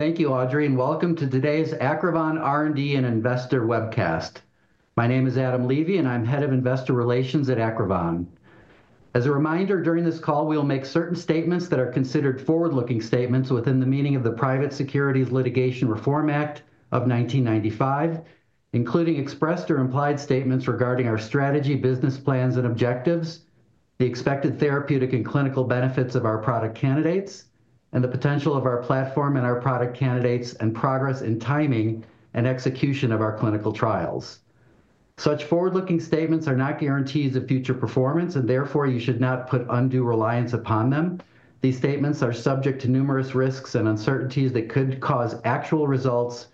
Thank you, Audrey, and welcome to today's Acrivon R&D and Investor webcast. My name is Adam Levy, and I'm Head of Investor Relations at Acrivon. As a reminder, during this call, we will make certain statements that are considered forward-looking statements within the meaning of the Private Securities Litigation Reform Act of 1995, including expressed or implied statements regarding our strategy, business plans, and objectives, the expected therapeutic and clinical benefits of our product candidates, and the potential of our platform and our product candidates, and progress in timing and execution of our clinical trials. Such forward-looking statements are not guarantees of future performance, and therefore you should not put undue reliance upon them. These statements are subject to numerous risks and uncertainties that could cause actual results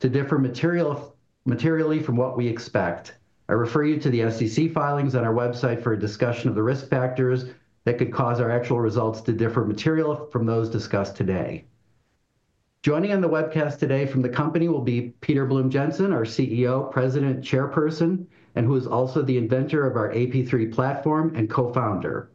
to differ materially from what we expect. I refer you to the SEC filings on our website for a discussion of the risk factors that could cause our actual results to differ materially from those discussed today. Joining on the webcast today from the company will be Peter Blume-Jensen, our CEO, president, chairperson, and who is also the inventor of our AP3 platform and co-founder.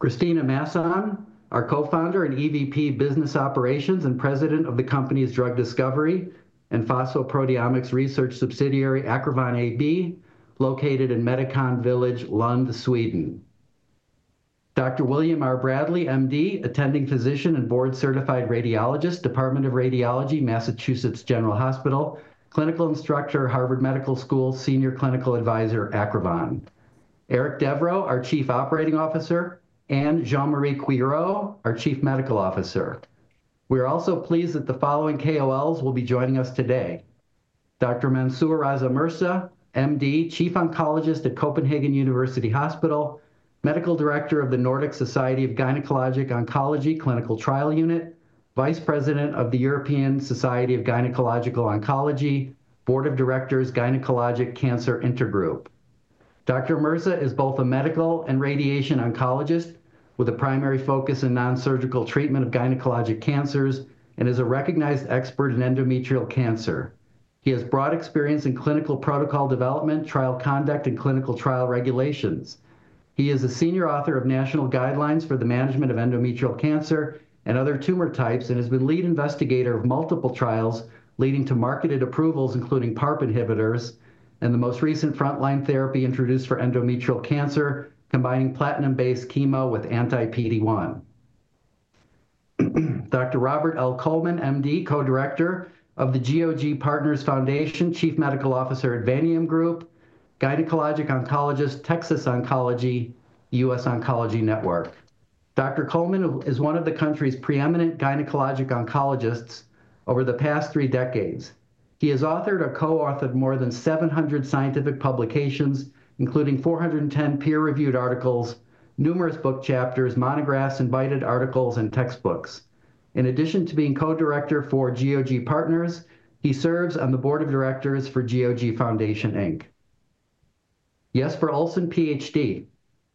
Kristina Masson, our Co-founder and EVP Business Operations and President of the company's Drug Discovery and Phosphoproteomics Research subsidiary Acrivon AB, located in Medicon Village, Lund, Sweden. Dr. William R. Bradley, MD, attending physician and board-certified radiologist, Department of Radiology, Massachusetts General Hospital, clinical instructor, Harvard Medical School, Senior Clinical Advisor, Acrivon. Eric Devereaux, our chief operating officer, and Jean-Marie Cuillerot, our Chief Medical Officer. We are also pleased that the following KOLs will be joining us today. Dr. Mansoor Raza Mirza, MD, Chief Oncologist at Copenhagen University Hospital, Medical Director of the Nordic Society of Gynecologic Oncology Clinical Trial Unit, Vice President of the European Society of Gynaecological Oncology, board of directors, Gynecologic Cancer Intergroup. Dr. Mirza is both a medical and radiation oncologist with a primary focus in non-surgical treatment of gynecologic cancers and is a recognized expert in endometrial cancer. He has broad experience in clinical protocol development, trial conduct, and clinical trial regulations. He is a senior author of national guidelines for the management of endometrial cancer and other tumor types and has been lead investigator of multiple trials leading to marketed approvals, including PARP inhibitors and the most recent frontline therapy introduced for endometrial cancer, combining platinum-based chemo with anti-PD-1. Dr. Robert L. Coleman, MD, Co-Director of the GOG Partners Foundation, Chief Medical Officer at Vaniam Group, gynecologic oncologist, Texas Oncology, U.S. Oncology Network. Dr. Coleman is one of the country's preeminent gynecologic oncologists over the past three decades. He has authored or co-authored more than 700 scientific publications, including 410 peer-reviewed articles, numerous book chapters, monographs, invited articles, and textbooks. In addition to being Co-Director for GOG Partners, he serves on the board of directors for GOG Foundation, Inc. Yes for Olsen, PhD,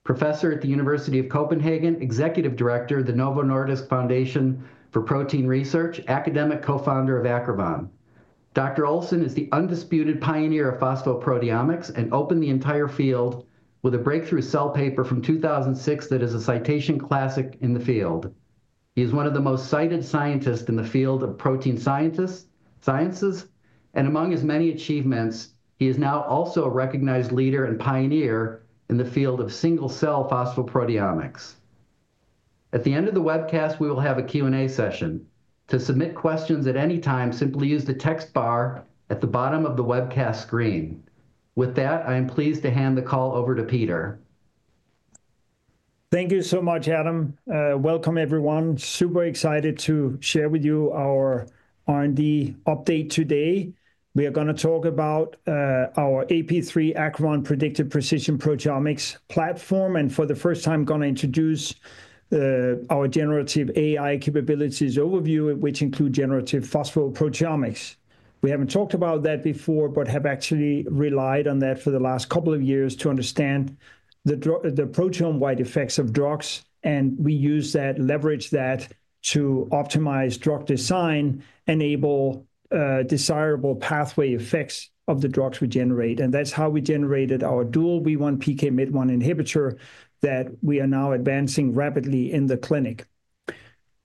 professor at the University of Copenhagen, executive director of the Novo Nordisk Foundation Center for Protein Research, academic co-founder of Acrivon. Dr. Olsen is the undisputed pioneer of phosphoproteomics and opened the entire field with a breakthrough Cell paper from 2006 that is a citation classic in the field. He is one of the most cited scientists in the field of protein sciences, and among his many achievements, he is now also a recognized leader and pioneer in the field of single-cell phosphoproteomics. At the end of the webcast, we will have a Q&A session. To submit questions at any time, simply use the text bar at the bottom of the webcast screen. With that, I am pleased to hand the call over to Peter. Thank you so much, Adam. Welcome, everyone. Super excited to share with you our R&D update today. We are going to talk about our AP3 Acrivon Predictive Precision Proteomics platform, and for the first time, I'm going to introduce our generative AI capabilities overview, which includes generative phosphoproteomics. We haven't talked about that before, but have actually relied on that for the last couple of years to understand the proteome-wide effects of drugs, and we use that, leverage that to optimize drug design, enable desirable pathway effects of the drugs we generate. That's how we generated our dual WEE1, PKMYT1 inhibitor that we are now advancing rapidly in the clinic.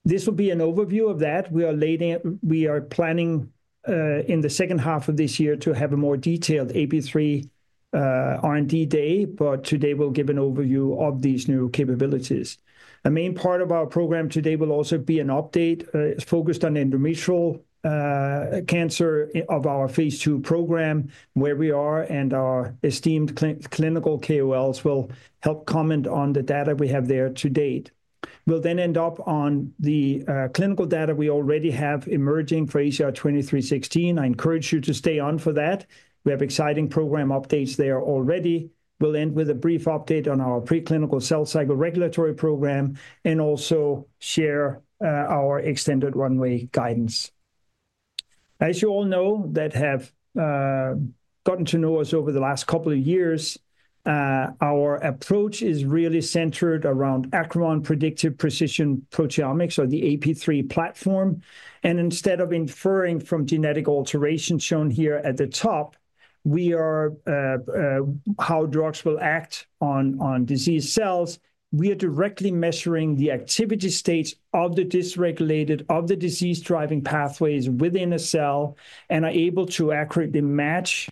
This will be an overview of that. We are planning in the second half of this year to have a more detailed AP3 R&D day, but today we'll give an overview of these new capabilities. A main part of our program today will also be an update focused on endometrial cancer of our phase two program, where we are and our esteemed clinical KOLs will help comment on the data we have there to date. We'll then end up on the clinical data we already have emerging for ACR-2316. I encourage you to stay on for that. We have exciting program updates there already. We'll end with a brief update on our preclinical cell cycle regulatory program and also share our extended runway guidance. As you all know that have gotten to know us over the last couple of years, our approach is really centered around Acrivon Predictive Precision Proteomics, or the AP3 platform. Instead of inferring from genetic alterations shown here at the top, we are how drugs will act on disease cells, we are directly measuring the activity states of the dysregulated, of the disease-driving pathways within a cell and are able to accurately match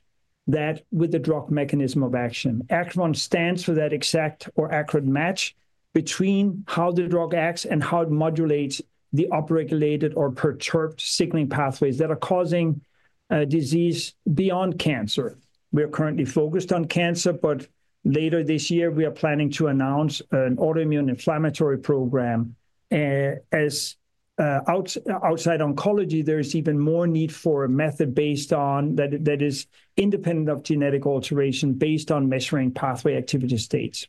that with the drug mechanism of action. Acrivon stands for that exact or accurate match between how the drug acts and how it modulates the upregulated or perturbed signaling pathways that are causing disease beyond cancer. We are currently focused on cancer, but later this year, we are planning to announce an autoimmune inflammatory program. As outside oncology, there is even more need for a method based on that is independent of genetic alteration based on measuring pathway activity states.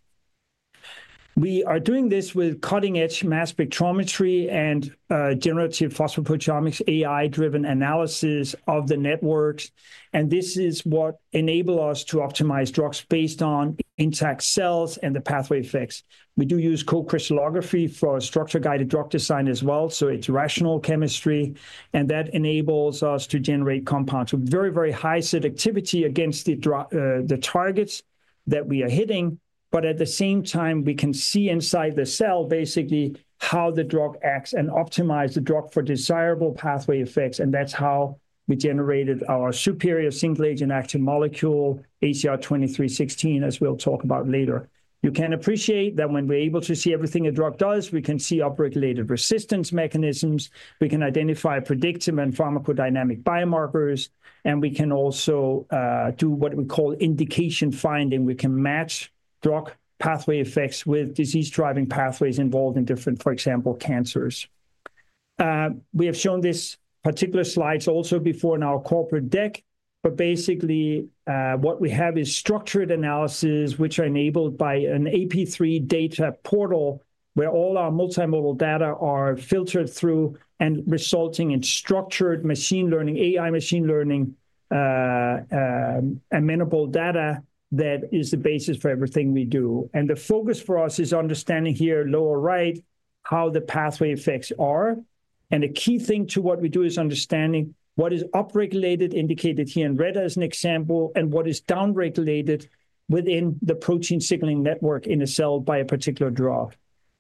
We are doing this with cutting-edge mass spectrometry and generative phosphoproteomics, AI-driven analysis of the networks, and this is what enables us to optimize drugs based on intact cells and the pathway effects. We do use co-crystallography for structure-guided drug design as well, so it's rational chemistry, and that enables us to generate compounds with very, very high selectivity against the targets that we are hitting. At the same time, we can see inside the cell basically how the drug acts and optimize the drug for desirable pathway effects, and that's how we generated our superior single-agent active molecule, ACR-2316, as we'll talk about later. You can appreciate that when we're able to see everything a drug does, we can see upregulated resistance mechanisms, we can identify predictive and pharmacodynamic biomarkers, and we can also do what we call indication finding. We can match drug pathway effects with disease-driving pathways involved in different, for example, cancers. We have shown this particular slides also before in our corporate deck, but basically what we have is structured analysis, which are enabled by an AP3 data portal where all our multimodal data are filtered through and resulting in structured machine learning, AI machine learning, amenable data that is the basis for everything we do. The focus for us is understanding here lower right how the pathway effects are, and a key thing to what we do is understanding what is upregulated, indicated here in red as an example, and what is downregulated within the protein signaling network in a cell by a particular drug.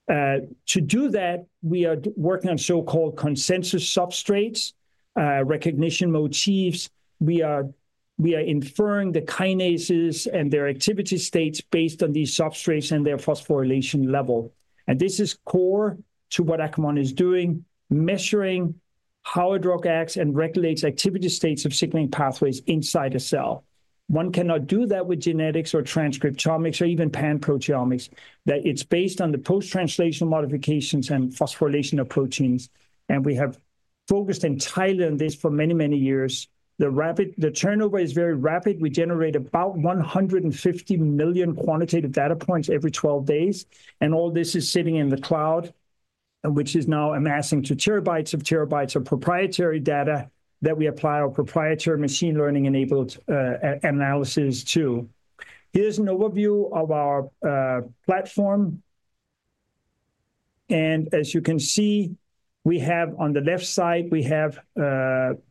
To do that, we are working on so-called consensus substrates, recognition motifs. We are inferring the kinases and their activity states based on these substrates and their phosphorylation level. This is core to what Acrivon is doing, measuring how a drug acts and regulates activity states of signaling pathways inside a cell. One cannot do that with genetics or transcriptomics or even pan-proteomics. It is based on the post-translational modifications and phosphorylation of proteins, and we have focused entirely on this for many, many years. The turnover is very rapid. We generate about 150 million quantitative data points every 12 days, and all this is sitting in the cloud, which is now amassing to terabytes of terabytes of proprietary data that we apply our proprietary machine learning-enabled analysis to. Here is an overview of our platform. As you can see, we have on the left side, we have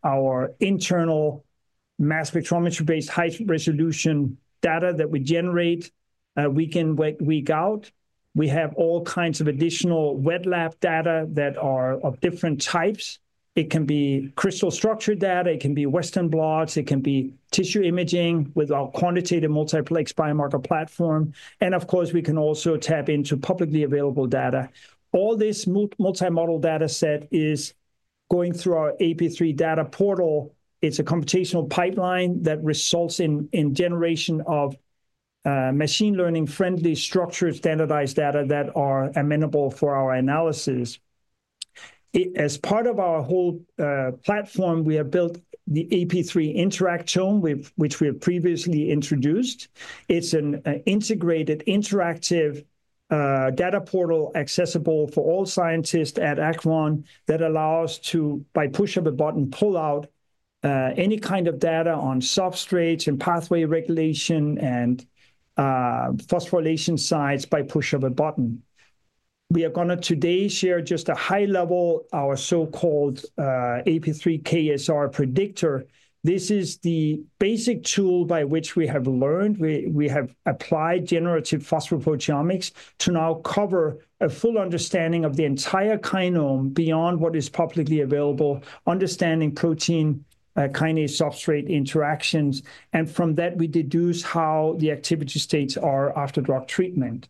our internal mass spectrometry-based high-resolution data that we generate week out. We have all kinds of additional wet lab data that are of different types. It can be crystal structure data. It can be Western blots. It can be tissue imaging with our quantitative multiplex biomarker platform. Of course, we can also tap into publicly available data. All this multimodal data set is going through our AP3 data portal. It's a computational pipeline that results in generation of machine learning-friendly structured standardized data that are amenable for our analysis. As part of our whole platform, we have built the AP3 Interactome, which we have previously introduced. It's an integrated interactive data portal accessible for all scientists at Acrivon that allows us to, by push of a button, pull out any kind of data on substrates and pathway regulation and phosphorylation sites by push of a button. We are going to today share just a high level of our so-called AP3 KSR predictor. This is the basic tool by which we have learned. We have applied generative phosphoproteomics to now cover a full understanding of the entire kinome beyond what is publicly available, understanding protein kinase substrate interactions, and from that, we deduce how the activity states are after drug treatment.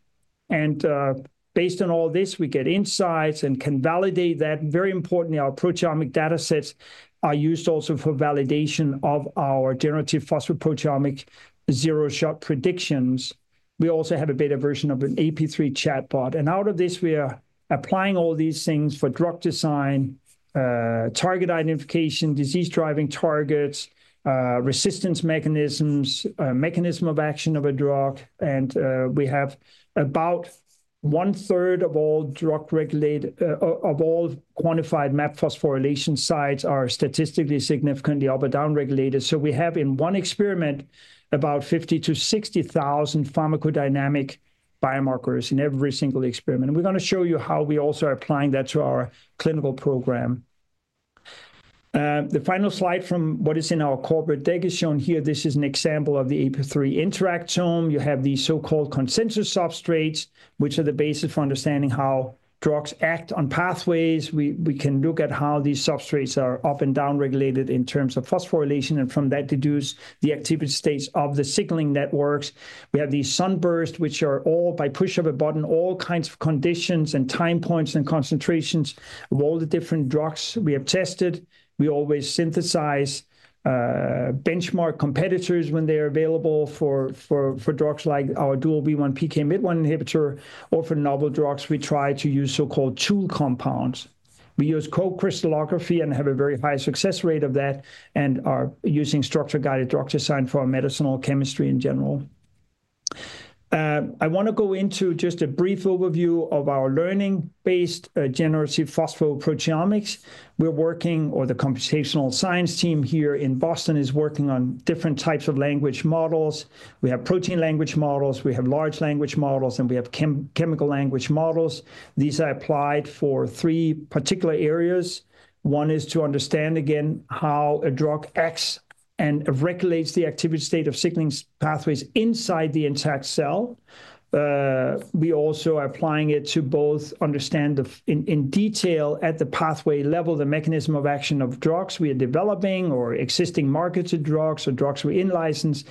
Based on all this, we get insights and can validate that. Very importantly, our proteomic data sets are used also for validation of our generative phosphoproteomic zero-shot predictions. We also have a beta version of an AP3 chatbot. Out of this, we are applying all these things for drug design, target identification, disease-driving targets, resistance mechanisms, mechanism of action of a drug. We have about one-third of all drug regulated, of all quantified MAP phosphorylation sites are statistically significantly up or down regulated. We have in one experiment about 50,000-60,000 pharmacodynamic biomarkers in every single experiment. We're going to show you how we also are applying that to our clinical program. The final slide from what is in our corporate deck is shown here. This is an example of the AP3 Interactome. You have these so-called consensus substrates, which are the basis for understanding how drugs act on pathways. We can look at how these substrates are up and down regulated in terms of phosphorylation and from that deduce the activity states of the signaling networks. We have these sunbursts, which are all by push of a button, all kinds of conditions and time points and concentrations of all the different drugs we have tested. We always synthesize benchmark competitors when they're available for drugs like our dual WEE1/PKMYT1 inhibitor, or for novel drugs, we try to use so-called tool compounds. We use co-crystallography and have a very high success rate of that and are using structure-guided drug design for our medicinal chemistry in general. I want to go into just a brief overview of our learning-based generative phosphoproteomics. We're working, or the computational science team here in Boston is working on different types of language models. We have protein language models, we have large language models, and we have chemical language models. These are applied for three particular areas. One is to understand, again, how a drug acts and regulates the activity state of signaling pathways inside the intact cell. We also are applying it to both understand in detail at the pathway level the mechanism of action of drugs we are developing or existing markets of drugs or drugs we're in license.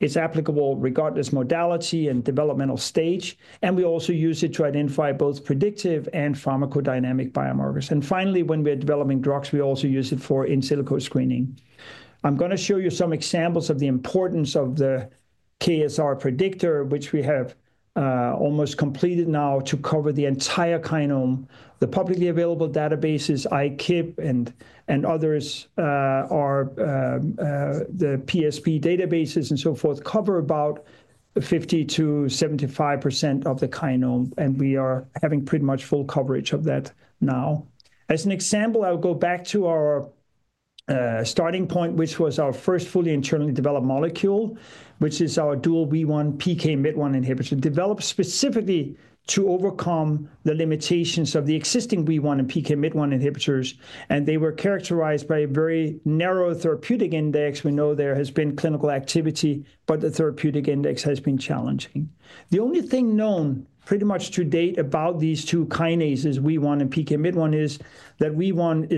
It's applicable regardless of modality and developmental stage. We also use it to identify both predictive and pharmacodynamic biomarkers. Finally, when we're developing drugs, we also use it for in silico screening. I'm going to show you some examples of the importance of the KSR predictor, which we have almost completed now to cover the entire kinome. The publicly available databases, ICIP and others, the PSP databases and so forth, cover about 50%-75% of the kinome, and we are having pretty much full coverage of that now. As an example, I'll go back to our starting point, which was our first fully internally developed molecule, which is our dual WEE1/PKMYT1 inhibitor, developed specifically to overcome the limitations of the existing WEE1 and PKMYT1 inhibitors. They were characterized by a very narrow therapeutic index. We know there has been clinical activity, but the therapeutic index has been challenging. The only thing known pretty much to date about these two kinases, WEE1 and PKMYT1, is that WEE1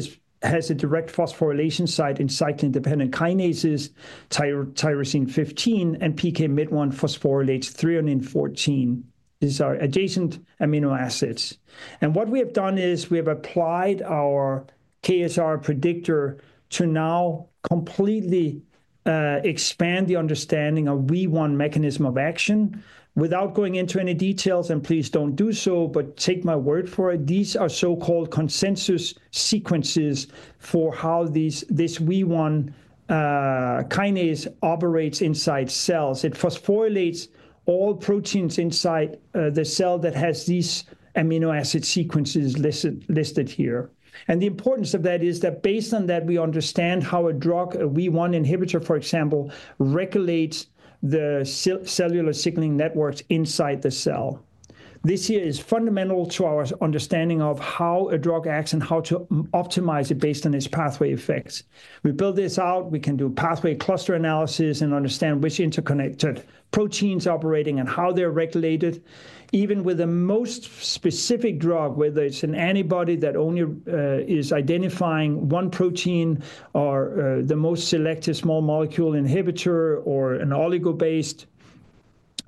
has a direct phosphorylation site in cyclin-dependent kinases, tyrosine 15, and PKMYT1 phosphorylates 314. These are adjacent amino acids. What we have done is we have applied our KSR predictor to now completely expand the understanding of WEE1 mechanism of action without going into any details, and please don't do so, but take my word for it. These are so-called consensus sequences for how this WEE1 kinase operates inside cells. It phosphorylates all proteins inside the cell that have these amino acid sequences listed here. The importance of that is that based on that, we understand how a drug, a WEE1 inhibitor, for example, regulates the cellular signaling networks inside the cell. This here is fundamental to our understanding of how a drug acts and how to optimize it based on its pathway effects. We build this out. We can do pathway cluster analysis and understand which interconnected proteins are operating and how they're regulated. Even with the most specific drug, whether it's an antibody that only is identifying one protein or the most selective small molecule inhibitor or an oligo-based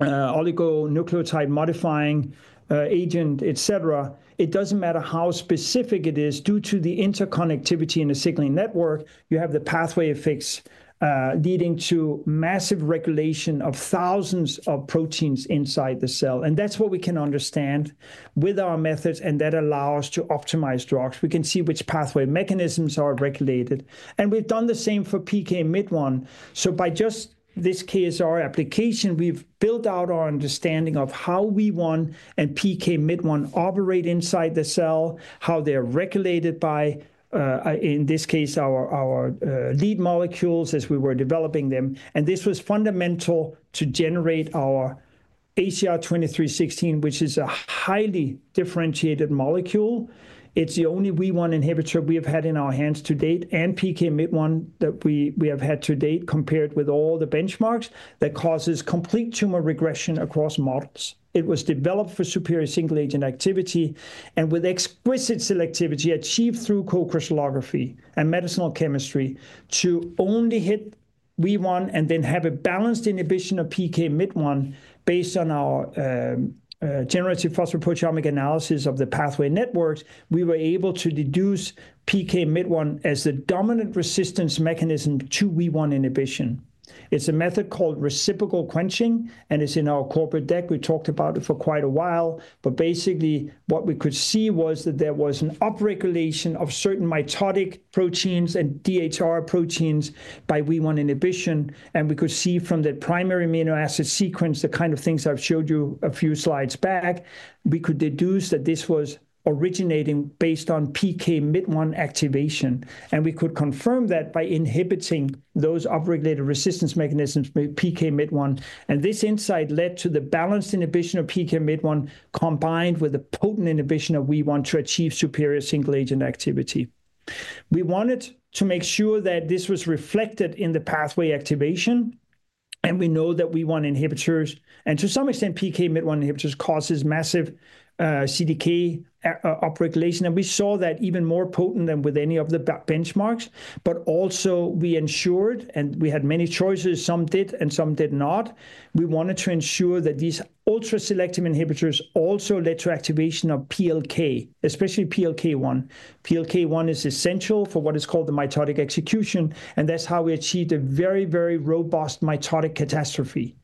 oligonucleotide modifying agent, et cetera, it doesn't matter how specific it is. Due to the interconnectivity in the signaling network, you have the pathway effects leading to massive regulation of thousands of proteins inside the cell. That's what we can understand with our methods, and that allows us to optimize drugs. We can see which pathway mechanisms are regulated. We've done the same for PKMYT1. By just this KSR application, we've built out our understanding of how WEE1 and PKMYT1 operate inside the cell, how they're regulated by, in this case, our lead molecules as we were developing them. This was fundamental to generate our ACR-2316, which is a highly differentiated molecule. It's the only WEE1 inhibitor we have had in our hands to date, and PKMYT1 that we have had to date compared with all the benchmarks that causes complete tumor regression across models. It was developed for superior single-agent activity and with exquisite selectivity achieved through co-crystallography and medicinal chemistry to only hit WEE1 and then have a balanced inhibition of PKMYT1 based on our generative phosphoproteomic analysis of the pathway networks. We were able to deduce PKMYT1 as the dominant resistance mechanism to WEE1 inhibition. It's a method called reciprocal quenching, and it's in our corporate deck. We talked about it for quite a while, but basically what we could see was that there was an upregulation of certain mitotic proteins and DDR proteins by WEE1 inhibition. And we could see from the primary amino acid sequence, the kind of things I've showed you a few slides back, we could deduce that this was originating based on PKMYT1 activation. And we could confirm that by inhibiting those upregulated resistance mechanisms, PKMYT1. This insight led to the balanced inhibition of PKMYT1 combined with a potent inhibition of WEE1 to achieve superior single-agent activity. We wanted to make sure that this was reflected in the pathway activation. We know that WEE1 inhibitors, and to some extent, PKMYT1 inhibitors cause massive CDK upregulation. We saw that even more potent than with any of the benchmarks. We also ensured, and we had many choices, some did and some did not. We wanted to ensure that these ultra-selective inhibitors also led to activation of PLK, especially PLK1. PLK1 is essential for what is called the mitotic execution, and that is how we achieved a very, very robust mitotic catastrophe.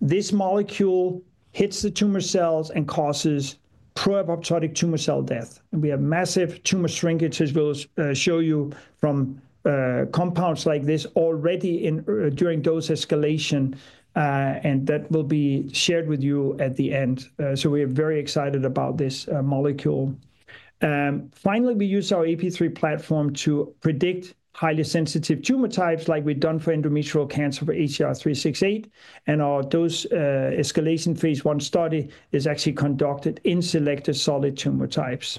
This molecule hits the tumor cells and causes pro-apoptotic tumor cell death. We have massive tumor shrinkage, as we will show you from compounds like this already during dose escalation, and that will be shared with you at the end. We are very excited about this molecule. Finally, we use our AP3 platform to predict highly sensitive tumor types like we have done for endometrial cancer for ACR-368. Our dose escalation phase one study is actually conducted in selected solid tumor types.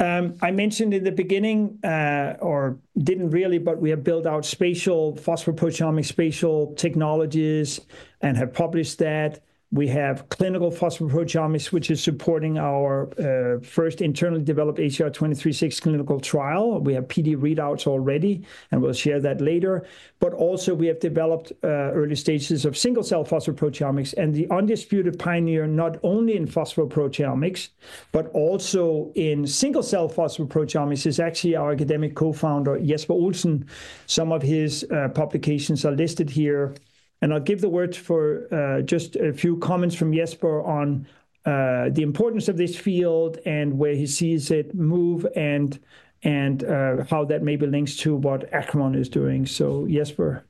I mentioned in the beginning, or didn't really, but we have built out spatial phosphoproteomic spatial technologies and have published that. We have clinical phosphoproteomics, which is supporting our first internally developed ACR-2316 clinical trial. We have PD readouts already, and we'll share that later. Also, we have developed early stages of single-cell phosphoproteomics. The undisputed pioneer, not only in phosphoproteomics, but also in single-cell phosphoproteomics, is actually our academic Co-founder, Jesper Olsen. Some of his publications are listed here. I'll give the word for just a few comments from Jesper on the importance of this field and where he sees it move and how that maybe links to what Acrivon is doing. Jesper.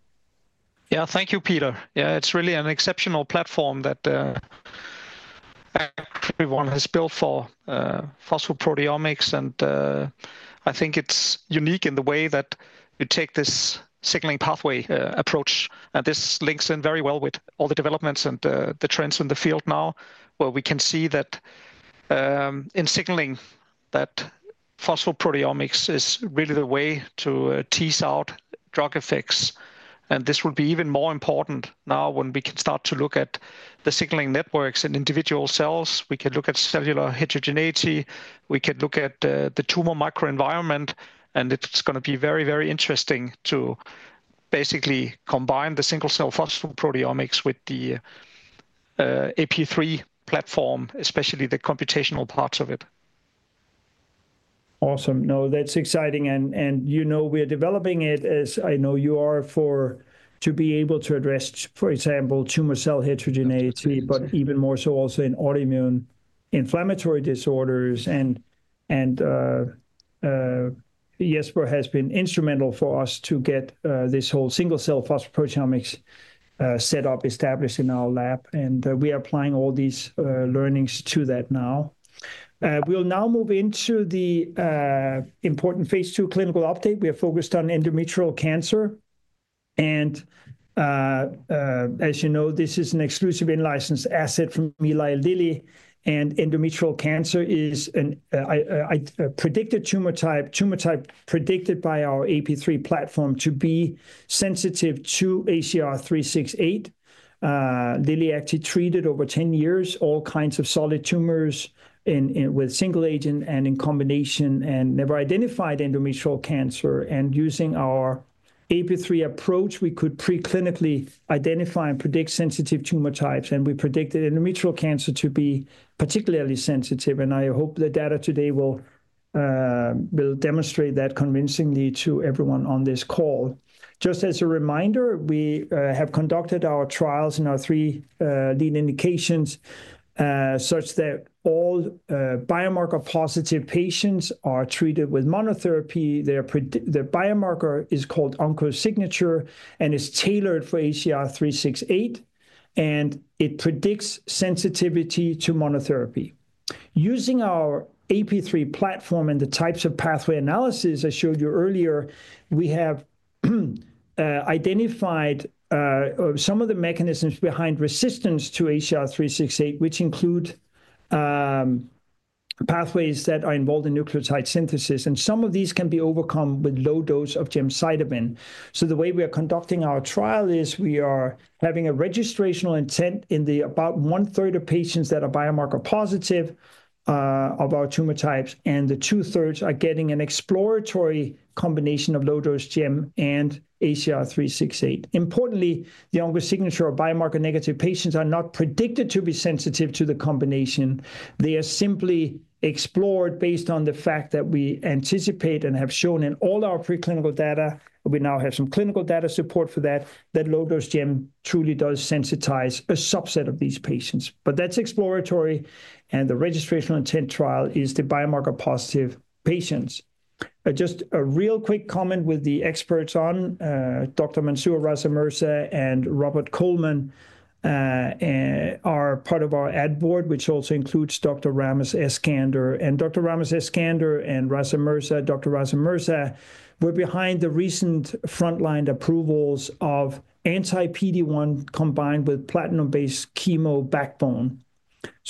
Yeah, thank you, Peter. Yeah, it's really an exceptional platform that everyone has built for phosphoproteomics. I think it's unique in the way that you take this signaling pathway approach. This links in very well with all the developments and the trends in the field now, where we can see that in signaling, that phosphoproteomics is really the way to tease out drug effects. This will be even more important now when we can start to look at the signaling networks in individual cells. We can look at cellular heterogeneity. We can look at the tumor microenvironment. It is going to be very, very interesting to basically combine the single-cell phosphoproteomics with the AP3 platform, especially the computational parts of it. Awesome. No, that's exciting. You know we're developing it, as I know you are, to be able to address, for example, tumor cell heterogeneity, but even more so also in autoimmune inflammatory disorders. Jesper has been instrumental for us to get this whole single-cell phosphoproteomics set up, established in our lab. We are applying all these learnings to that now. We'll now move into the important phase two clinical update. We are focused on endometrial cancer. As you know, this is an exclusive in-license asset from Eli Lilly and Company. Endometrial cancer is a tumor type predicted by our AP3 platform to be sensitive to ACR-368. Lilly actually treated over 10 years all kinds of solid tumors with single agent and in combination and never identified endometrial cancer. Using our AP3 approach, we could preclinically identify and predict sensitive tumor types. We predicted endometrial cancer to be particularly sensitive. I hope the data today will demonstrate that convincingly to everyone on this call. Just as a reminder, we have conducted our trials in our three lead indications such that all biomarker-positive patients are treated with monotherapy. The biomarker is called OncoSignature and is tailored for ACR-368. It predicts sensitivity to monotherapy. Using our AP3 platform and the types of pathway analysis I showed you earlier, we have identified some of the mechanisms behind resistance to ACR-368, which include pathways that are involved in nucleotide synthesis. Some of these can be overcome with low dose of gemcitabine. The way we are conducting our trial is we are having a registrational intent in about one-third of patients that are biomarker-positive of our tumor types, and the two-thirds are getting an exploratory combination of low-dose gem and ACR-368. Importantly, the OncoSignature or biomarker-negative patients are not predicted to be sensitive to the combination. They are simply explored based on the fact that we anticipate and have shown in all our preclinical data. We now have some clinical data support for that, that low-dose gem truly does sensitize a subset of these patients. That is exploratory. The registrational intent trial is the biomarker-positive patients. Just a real quick comment with the experts on Dr. Mansoor Raza Mirza and Robert Coleman are part of our ad board, which also includes Dr. Ramez Eskander. Dr. Ramez Eskander and Dr. Raza Mirza were behind the recent frontline approvals of anti-PD-1 combined with platinum-based chemo backbone.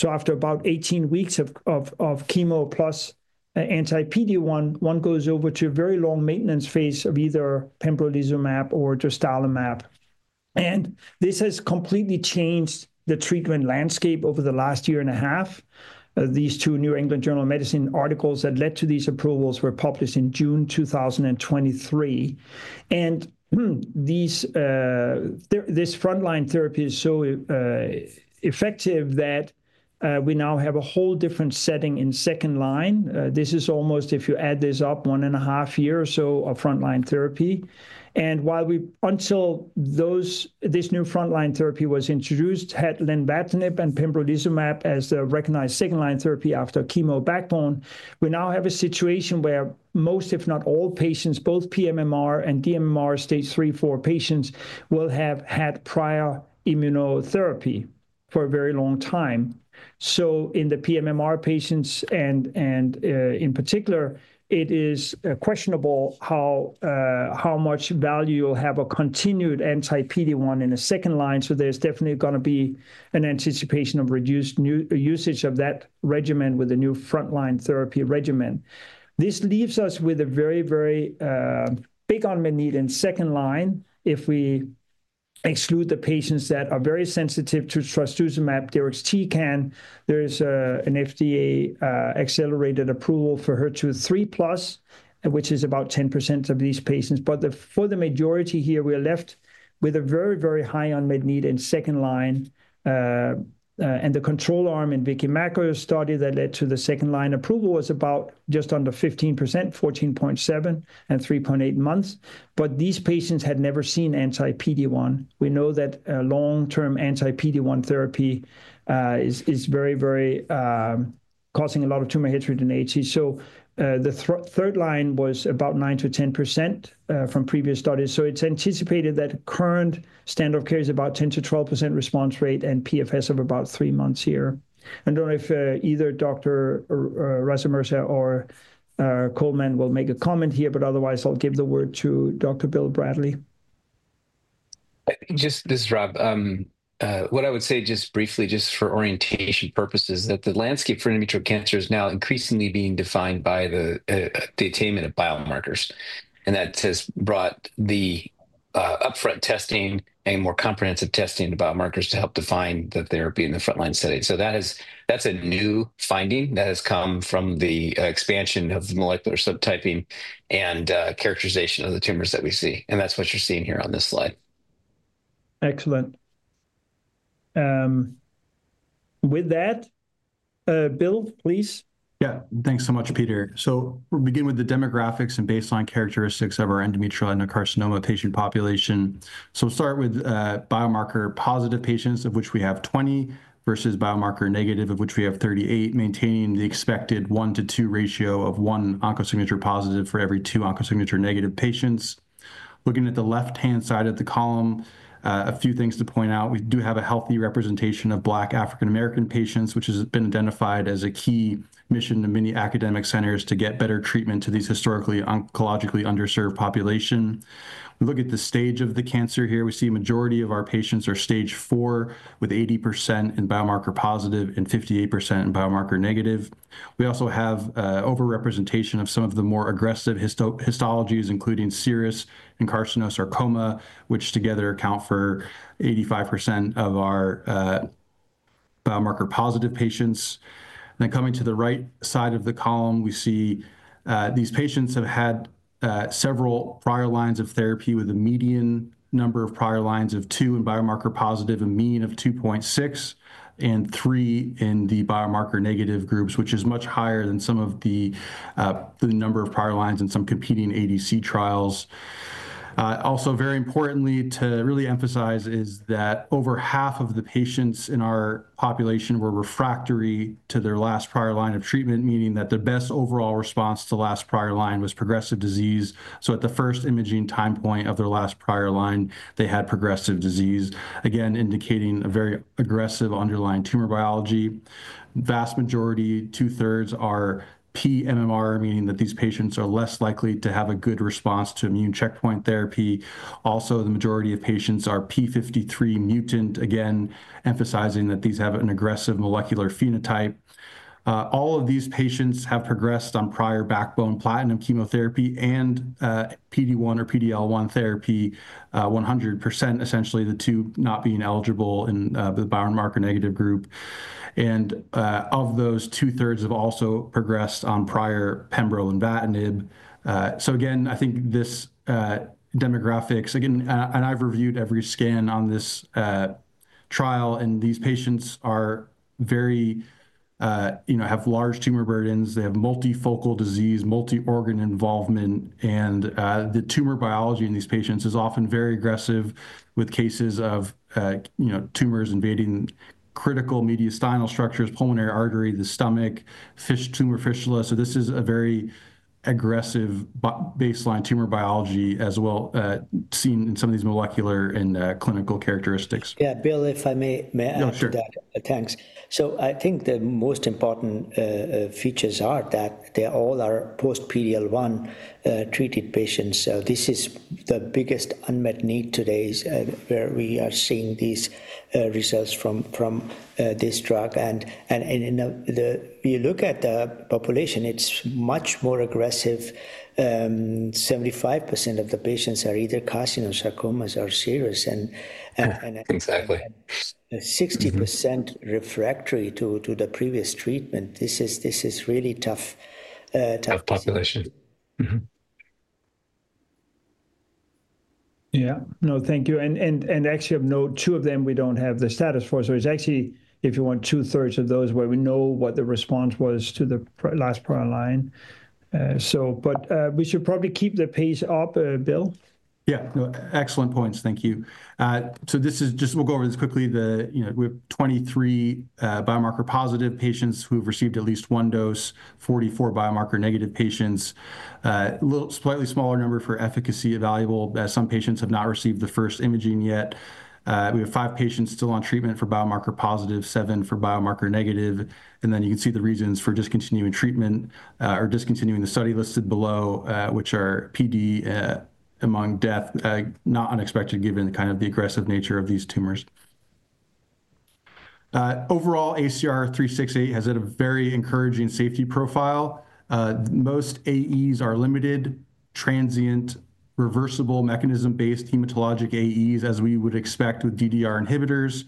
After about 18 weeks of chemo plus anti-PD-1, one goes over to a very long maintenance phase of either pembrolizumab or dostarlimab. This has completely changed the treatment landscape over the last year and a half. These two New England Journal of Medicine articles that led to these approvals were published in June 2023. This frontline therapy is so effective that we now have a whole different setting in second line. This is almost, if you add this up, one and a half years or so of frontline therapy. While we, until this new frontline therapy was introduced, had lenvatinib and pembrolizumab as the recognized second-line therapy after chemo backbone, we now have a situation where most, if not all, patients, both pMMR and dMMR stage three, four patients will have had prior immunotherapy for a very long time. In the pMMR patients, and in particular, it is questionable how much value you'll have a continued anti-PD-1 in the second line. There is definitely going to be an anticipation of reduced usage of that regimen with a new frontline therapy regimen. This leaves us with a very, very big unmet need in second line if we exclude the patients that are very sensitive to trastuzumab deruxtecan. There is an FDA accelerated approval for HER2/3+, which is about 10% of these patients. For the majority here, we are left with a very, very high unmet need in second line. The control arm in Vicki McIlroy's study that led to the second line approval was about just under 15%, 14.7% and 3.8 months. These patients had never seen anti-PD-1. We know that long-term anti-PD-1 therapy is very, very causing a lot of tumor heterogeneity. The third line was about 9-10% from previous studies. It is anticipated that current standard of care is about 10-12% response rate and PFS of about three months here. I don't know if either Dr. Mirza or Coleman will make a comment here, but otherwise, I'll give the word to Dr. Bill Bradley. Just, just, Rob, what I would say just briefly, just for orientation purposes, that the landscape for endometrial cancer is now increasingly being defined by the attainment of biomarkers. That has brought the upfront testing and more comprehensive testing about markers to help define the therapy in the frontline setting. That is a new finding that has come from the expansion of molecular subtyping and characterization of the tumors that we see. That is what you're seeing here on this slide. Excellent. With that, Bill, please. Yeah, thanks so much, Peter. We will begin with the demographics and baseline characteristics of our endometrial adenocarcinoma patient population. We'll start with biomarker-positive patients, of which we have 20, versus biomarker-negative, of which we have 38, maintaining the expected one to two ratio of one OncoSignature positive for every two OncoSignature negative patients. Looking at the left-hand side of the column, a few things to point out. We do have a healthy representation of Black African-American patients, which has been identified as a key mission in many academic centers to get better treatment to this historically oncologically underserved population. We look at the stage of the cancer here. We see a majority of our patients are stage four, with 80% in biomarker positive and 58% in biomarker negative. We also have overrepresentation of some of the more aggressive histologies, including serous and carcinous sarcoma, which together account for 85% of our biomarker-positive patients. Coming to the right side of the column, we see these patients have had several prior lines of therapy with a median number of prior lines of two in biomarker positive, a mean of 2.6, and three in the biomarker negative groups, which is much higher than some of the number of prior lines in some competing ADC trials. Also, very importantly to really emphasize is that over half of the patients in our population were refractory to their last prior line of treatment, meaning that the best overall response to last prior line was progressive disease. At the first imaging time point of their last prior line, they had progressive disease, again, indicating a very aggressive underlying tumor biology. Vast majority, two-thirds are pMMR, meaning that these patients are less likely to have a good response to immune checkpoint therapy. Also, the majority of patients are P53 mutant, again, emphasizing that these have an aggressive molecular phenotype. All of these patients have progressed on prior backbone platinum chemotherapy and PD-1 or PD-L1 therapy, 100%, essentially the two not being eligible in the biomarker negative group. Of those, two-thirds have also progressed on prior pembrolizumab. I think this demographics, again, and I've reviewed every scan on this trial, and these patients are very, you know, have large tumor burdens. They have multifocal disease, multi-organ involvement, and the tumor biology in these patients is often very aggressive with cases of tumors invading critical mediastinal structures, pulmonary artery, the stomach, tumor fistula. This is a very aggressive baseline tumor biology as well seen in some of these molecular and clinical characteristics. Yeah, Bill, if I may add to that. Thanks. I think the most important features are that they all are post-PD-L1 treated patients. This is the biggest unmet need today where we are seeing these results from this drug. When you look at the population, it's much more aggressive. 75% of the patients are either carcinosarcomas or serous. Exactly 60% refractory to the previous treatment. This is really tough population. Yeah. No, thank you. Actually, I have no two of them we don't have the status for. It's actually, if you want, two-thirds of those where we know what the response was to the last prior line. We should probably keep the pace up, Bill. Yeah, excellent points. Thank you. This is just, we'll go over this quickly. We have 23 biomarker-positive patients who have received at least one dose, 44 biomarker-negative patients. Slightly smaller number for efficacy available. Some patients have not received the first imaging yet. We have five patients still on treatment for biomarker-positive, seven for biomarker-negative. You can see the reasons for discontinuing treatment or discontinuing the study listed below, which are PD among death, not unexpected given the kind of the aggressive nature of these tumors. Overall, ACR-368 has a very encouraging safety profile. Most AEs are limited, transient, reversible mechanism-based hematologic AEs, as we would expect with DDR inhibitors.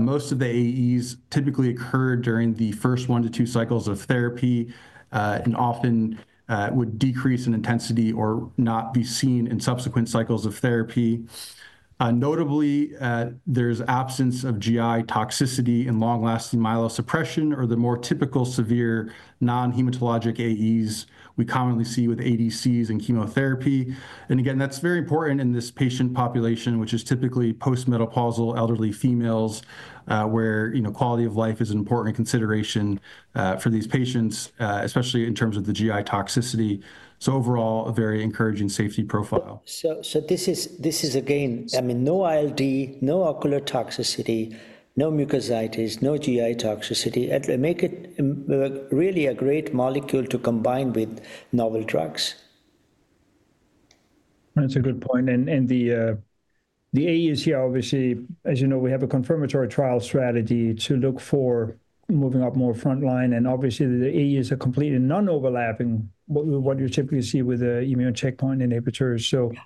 Most of the AEs typically occur during the first one to two cycles of therapy and often would decrease in intensity or not be seen in subsequent cycles of therapy. Notably, there is absence of GI toxicity and long-lasting myelosuppression or the more typical severe non-hematologic AEs we commonly see with ADCs and chemotherapy. That's very important in this patient population, which is typically post-menopausal elderly females where quality of life is an important consideration for these patients, especially in terms of the GI toxicity. Overall, a very encouraging safety profile. This is, again, I mean, no ILD, no ocular toxicity, no mucositis, no GI toxicity. It makes it really a great molecule to combine with novel drugs. That's a good point. The AEs here, obviously, as you know, we have a confirmatory trial strategy to look for moving up more frontline. Obviously, the AEs are completely non-overlapping with what you typically see with the immune checkpoint inhibitors. That's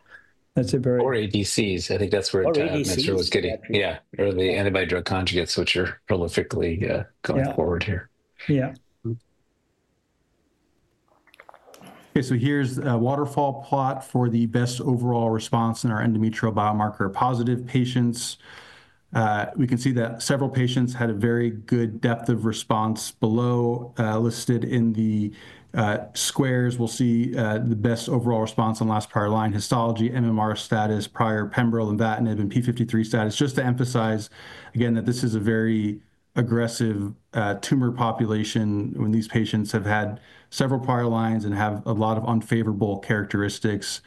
a very or ADCs. I think that's where it was getting. Yeah, or the antibody drug conjugates, which are prolifically going forward here. Yeah. Okay. Here's a waterfall plot for the best overall response in our endometrial biomarker-positive patients. We can see that several patients had a very good depth of response below listed in the squares. We'll see the best overall response on last prior line, histology, MMR status, prior pembrolizumab and P53 status. Just to emphasize again that this is a very aggressive tumor population when these patients have had several prior lines and have a lot of unfavorable characteristics.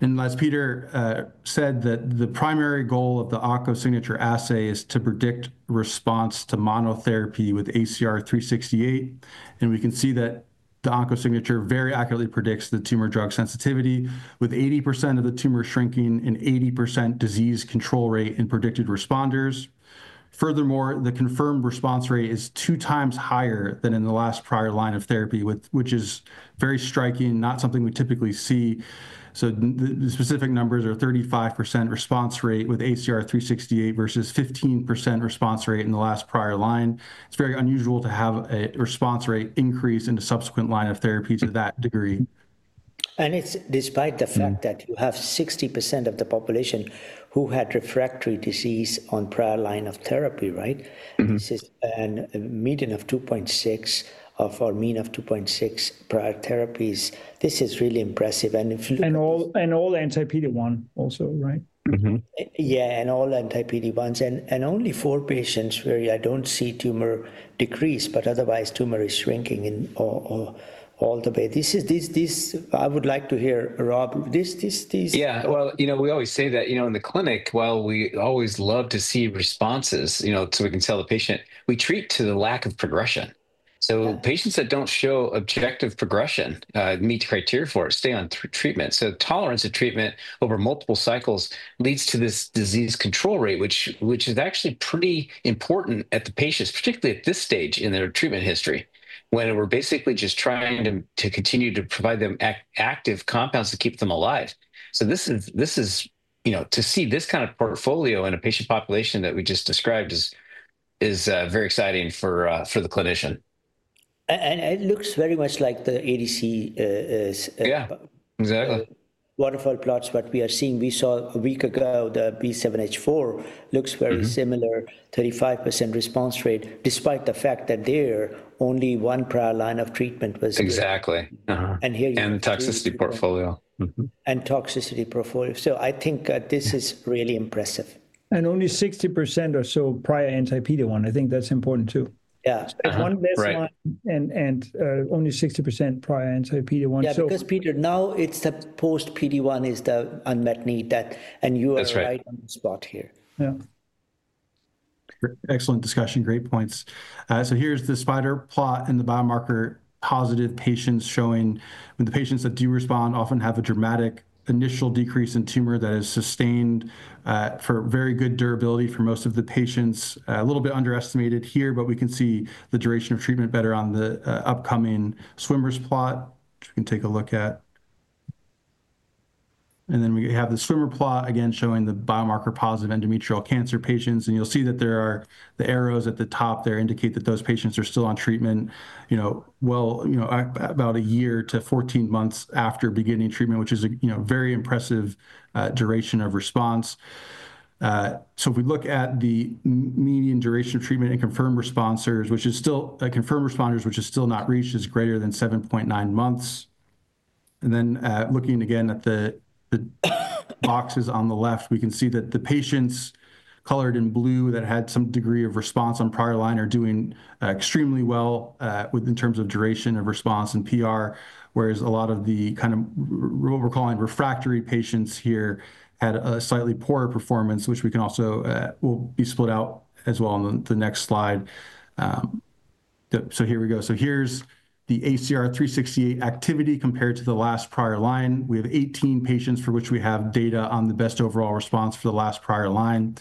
As Peter said, the primary goal of the OncoSignature assay is to predict response to monotherapy with ACR-368. We can see that the OncoSignature very accurately predicts the tumor drug sensitivity with 80% of the tumors shrinking and 80% disease control rate in predicted responders. Furthermore, the confirmed response rate is two times higher than in the last prior line of therapy, which is very striking, not something we typically see. The specific numbers are 35% response rate with ACR-368 versus 15% response rate in the last prior line. It is very unusual to have a response rate increase in a subsequent line of therapy to that degree. It is despite the fact that you have 60% of the population who had refractory disease on prior line of therapy, right? This is a median of 2.6 or mean of 2.6 prior therapies. This is really impressive. All anti-PD-1 also, right? Yeah, and all anti-PD-1s. Only four patients where I do not see tumor decrease, but otherwise tumor is shrinking all the way. I would like to hear, Rob, this. Yeah. You know, we always say that, you know, in the clinic, we always love to see responses so we can tell the patient we treat to the lack of progression. Patients that do not show objective progression meet criteria for it, stay on treatment. Tolerance of treatment over multiple cycles leads to this disease control rate, which is actually pretty important at the patients, particularly at this stage in their treatment history, when we are basically just trying to continue to provide them active compounds to keep them alive. This is, you know, to see this kind of portfolio in a patient population that we just described is very exciting for the clinician. It looks very much like the ADC. Yeah, exactly. Waterfall plots, what we are seeing. We saw a week ago the B7H4 looks very similar, 35% response rate, despite the fact that there only one prior line of treatment was. Exactly. Here you go. The toxicity portfolio. Toxicity portfolio. I think this is really impressive. Only 60% or so prior anti-PD-1. I think that's important too. Yeah. One less line and only 60% prior anti-PD-1. Yeah, because Peter, now it's the post-PD-1 is the unmet need that, and you are right on the spot here. Yeah. Excellent discussion. Great points. Here's the spider plot in the biomarker-positive patients showing the patients that do respond often have a dramatic initial decrease in tumor that is sustained for very good durability for most of the patients. A little bit underestimated here, but we can see the duration of treatment better on the upcoming swimmer plot, which we can take a look at. Then we have the swimmer plot again showing the biomarker-positive endometrial cancer patients. You'll see that the arrows at the top there indicate that those patients are still on treatment, you know, about a year to 14 months after beginning treatment, which is a very impressive duration of response. If we look at the median duration of treatment in confirmed responders, which is still not reached, it is greater than 7.9 months. Looking again at the boxes on the left, we can see that the patients colored in blue that had some degree of response on prior line are doing extremely well in terms of duration of response in PR, whereas a lot of the kind of what we're calling refractory patients here had a slightly poorer performance, which we can also will be split out as well on the next slide. Here we go. Here's the ACR-368 activity compared to the last prior line. We have 18 patients for which we have data on the best overall response for the last prior line.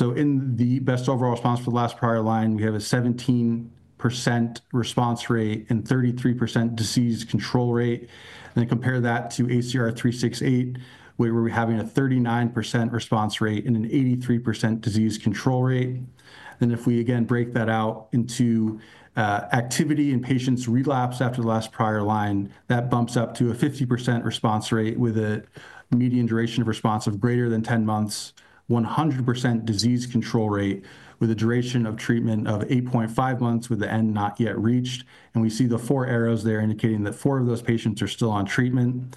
In the best overall response for the last prior line, we have a 17% response rate and 33% disease control rate. Compare that to ACR-368, where we're having a 39% response rate and an 83% disease control rate. If we again break that out into activity and patients relapse after the last prior line, that bumps up to a 50% response rate with a median duration of response of greater than 10 months, 100% disease control rate with a duration of treatment of 8.5 months with the end not yet reached. We see the four arrows there indicating that four of those patients are still on treatment.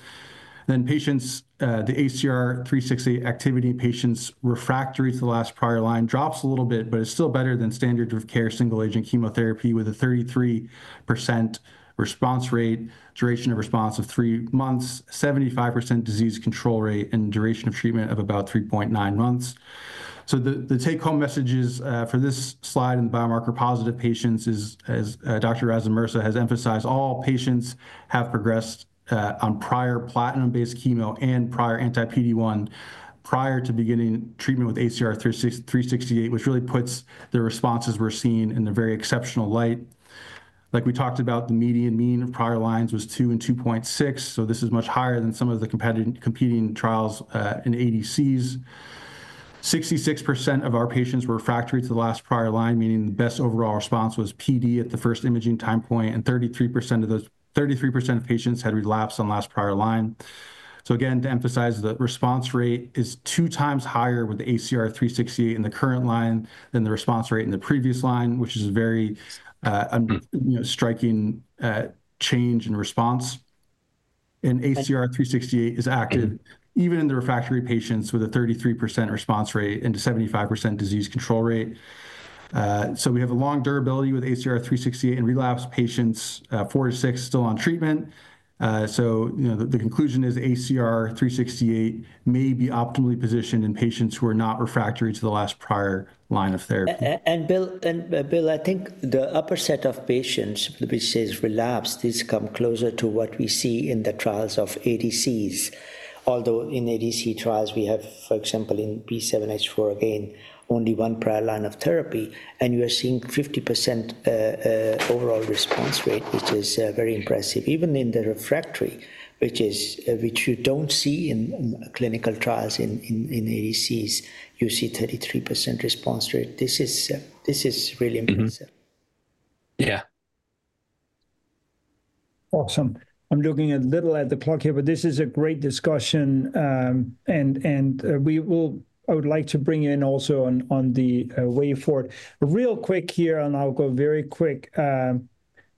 Patients, the ACR-368 activity patients refractory to the last prior line drops a little bit, but it's still better than standard of care single agent chemotherapy with a 33% response rate, duration of response of three months, 75% disease control rate and duration of treatment of about 3.9 months. The take home messages for this slide in the biomarker positive patients is, as Dr. Raza Mirza has emphasized, all patients have progressed on prior platinum-based chemo and prior anti-PD-1 prior to beginning treatment with ACR-368, which really puts the responses we're seeing in a very exceptional light. Like we talked about, the median mean of prior lines was two and 2.6. This is much higher than some of the competing trials in ADCs. 66% of our patients were refractory to the last prior line, meaning the best overall response was PD at the first imaging time point, and 33% of patients had relapse on last prior line. Again, to emphasize, the response rate is two times higher with the ACR-368 in the current line than the response rate in the previous line, which is a very striking change in response. ACR-368 is active even in the refractory patients with a 33% response rate and a 75% disease control rate. We have a long durability with ACR-368 in relapse patients, four to six still on treatment. The conclusion is ACR-368 may be optimally positioned in patients who are not refractory to the last prior line of therapy. Bill, I think the upper set of patients which says relapse, these come closer to what we see in the trials of ADCs. Although in ADC trials, we have, for example, in B7H4 again, only one prior line of therapy, and you are seeing 50% overall response rate, which is very impressive. Even in the refractory, which is which you do not see in clinical trials in ADCs, you see 33% response rate. This is really impressive. Yeah. Awesome. I'm looking a little at the clock here, but this is a great discussion. I would like to bring you in also on the way forward. Real quick here, and I'll go very quick.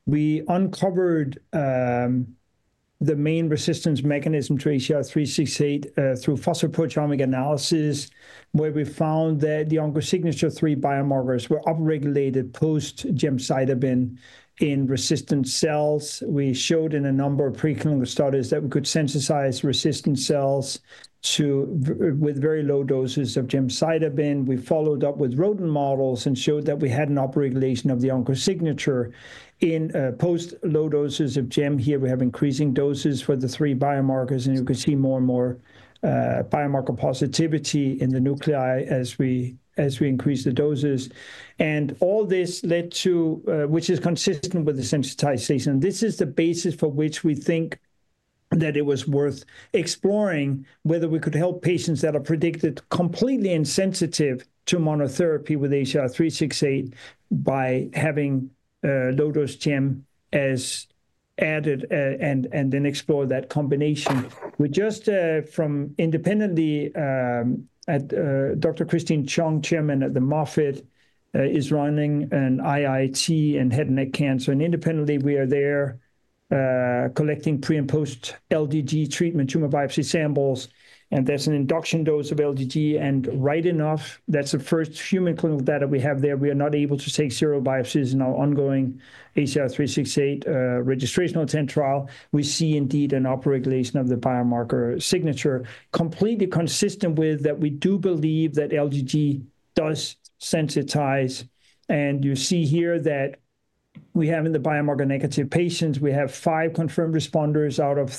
We uncovered the main resistance mechanism to ACR-368 through phosphoproteomic analysis, where we found that the OncoSignature three biomarkers were upregulated post gemcitabine in resistant cells. We showed in a number of pre-clinical studies that we could sensitize resistant cells with very low doses of gemcitabine. We followed up with rodent models and showed that we had an upregulation of the OncoSignature in post low doses of gem. Here we have increasing doses for the three biomarkers, and you can see more and more biomarker positivity in the nuclei as we increase the doses. All this led to, which is consistent with the sensitization. This is the basis for which we think that it was worth exploring whether we could help patients that are predicted completely insensitive to monotherapy with ACR-368 by having low-dose gem as added and then explore that combination. Just from independently at Dr. Christine Chung, Chairman at the Moffitt, is running an IIT in head and neck cancer. Independently, we are there collecting pre- and post-LDG treatment tumor biopsy samples. There is an induction dose of LDG. Right enough, that is the first human clinical data we have there. We are not able to take serial biopsies in our ongoing ACR-368 registration intent trial. We see indeed an upregulation of the biomarker signature completely consistent with that. We do believe that LDG does sensitize. You see here that we have in the biomarker-negative patients, we have five confirmed responders out of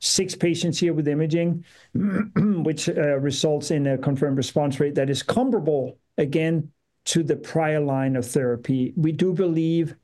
36 patients here with imaging, which results in a confirmed response rate that is comparable again to the prior line of therapy. We do believe,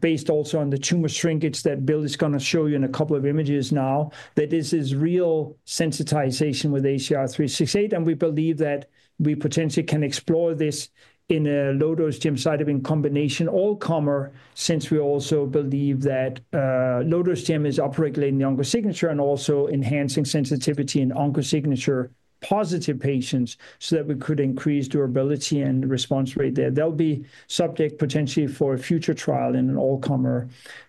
based also on the tumor shrinkage that Bill is going to show you in a couple of images now, that this is real sensitization with ACR-368. We believe that we potentially can explore this in a low-dose gemcitabine combination, all-comer, since we also believe that low-dose gem is upregulating the OncoSignature and also enhancing sensitivity in OncoSignature-positive patients so that we could increase durability and response rate there. That will be subject potentially for a future trial in an all-comer.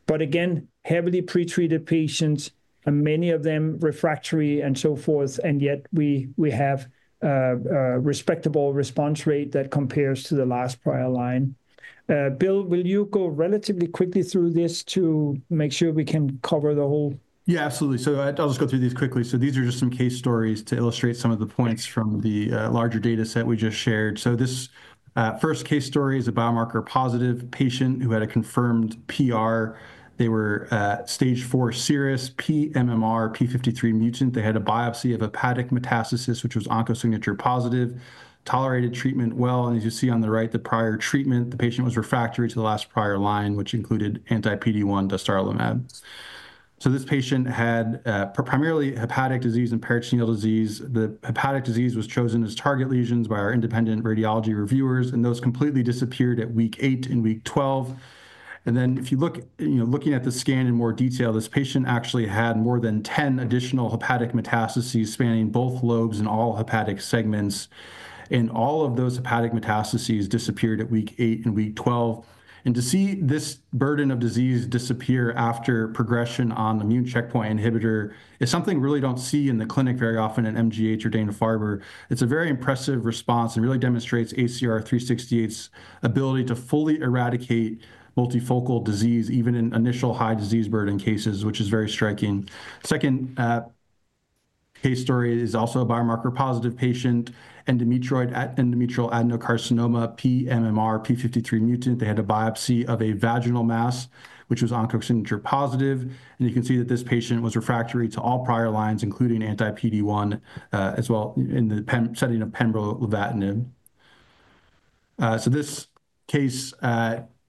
Again, heavily pretreated patients, many of them refractory and so forth. Yet we have a respectable response rate that compares to the last prior line. Bill, will you go relatively quickly through this to make sure we can cover the whole? Yeah, absolutely. I'll just go through these quickly. These are just some case stories to illustrate some of the points from the larger data set we just shared. This first case story is a biomarker positive patient who had a confirmed PR. They were stage four serous pMMR P53 mutant. They had a biopsy of hepatic metastasis, which was OncoSignature positive, tolerated treatment well. As you see on the right, the prior treatment, the patient was refractory to the last prior line, which included anti-PD-1, dostarlimab. This patient had primarily hepatic disease and peritoneal disease. The hepatic disease was chosen as target lesions by our independent radiology reviewers, and those completely disappeared at week eight and week 12. If you look at the scan in more detail, this patient actually had more than 10 additional hepatic metastases spanning both lobes and all hepatic segments. All of those hepatic metastases disappeared at week eight and week 12. To see this burden of disease disappear after progression on the immune checkpoint inhibitor is something we really don't see in the clinic very often in MGH or Dana-Farber. It's a very impressive response and really demonstrates ACR-368's ability to fully eradicate multifocal disease, even in initial high disease burden cases, which is very striking. Second case story is also a biomarker-positive patient, endometrial adenocarcinoma pMMR P53 mutant. They had a biopsy of a vaginal mass, which was OncoSignature positive. You can see that this patient was refractory to all prior lines, including anti-PD-1 as well in the setting of pembrolizumab. This case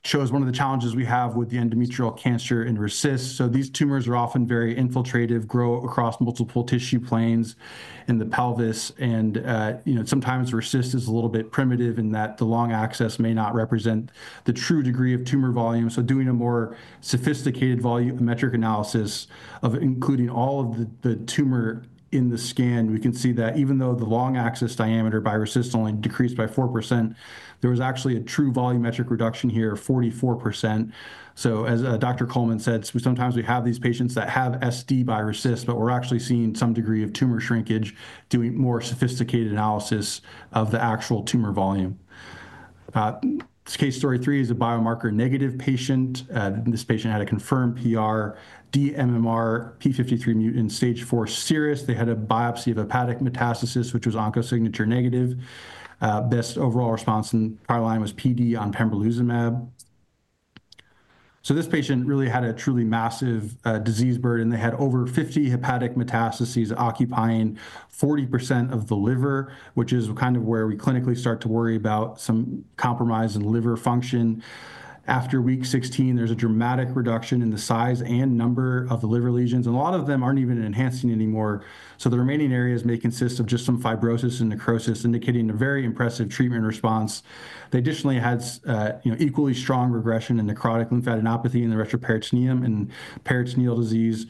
shows one of the challenges we have with endometrial cancer in RISCs. These tumors are often very infiltrative, grow across multiple tissue planes in the pelvis. Sometimes RISCs is a little bit primitive in that the long axis may not represent the true degree of tumor volume. Doing a more sophisticated volumetric analysis including all of the tumor in the scan, we can see that even though the long axis diameter by RISCs only decreased by 4%, there was actually a true volumetric reduction here of 44%. As Dr. Coleman said, sometimes we have these patients that have SD by RISCs, but we're actually seeing some degree of tumor shrinkage doing more sophisticated analysis of the actual tumor volume. This case story three is a biomarker-negative patient. This patient had a confirmed PR, dMMR p53 mutant, stage four serous. They had a biopsy of hepatic metastasis, which was OncoSignature negative. Best overall response in prior line was PD on pembrolizumab. This patient really had a truly massive disease burden, and they had over 50 hepatic metastases occupying 40% of the liver, which is kind of where we clinically start to worry about some compromise in liver function. After week 16, there is a dramatic reduction in the size and number of the liver lesions, and a lot of them are not even enhancing anymore. The remaining areas may consist of just some fibrosis and necrosis, indicating a very impressive treatment response. They additionally had equally strong regression in necrotic lymphadenopathy in the retroperitoneum and peritoneal disease.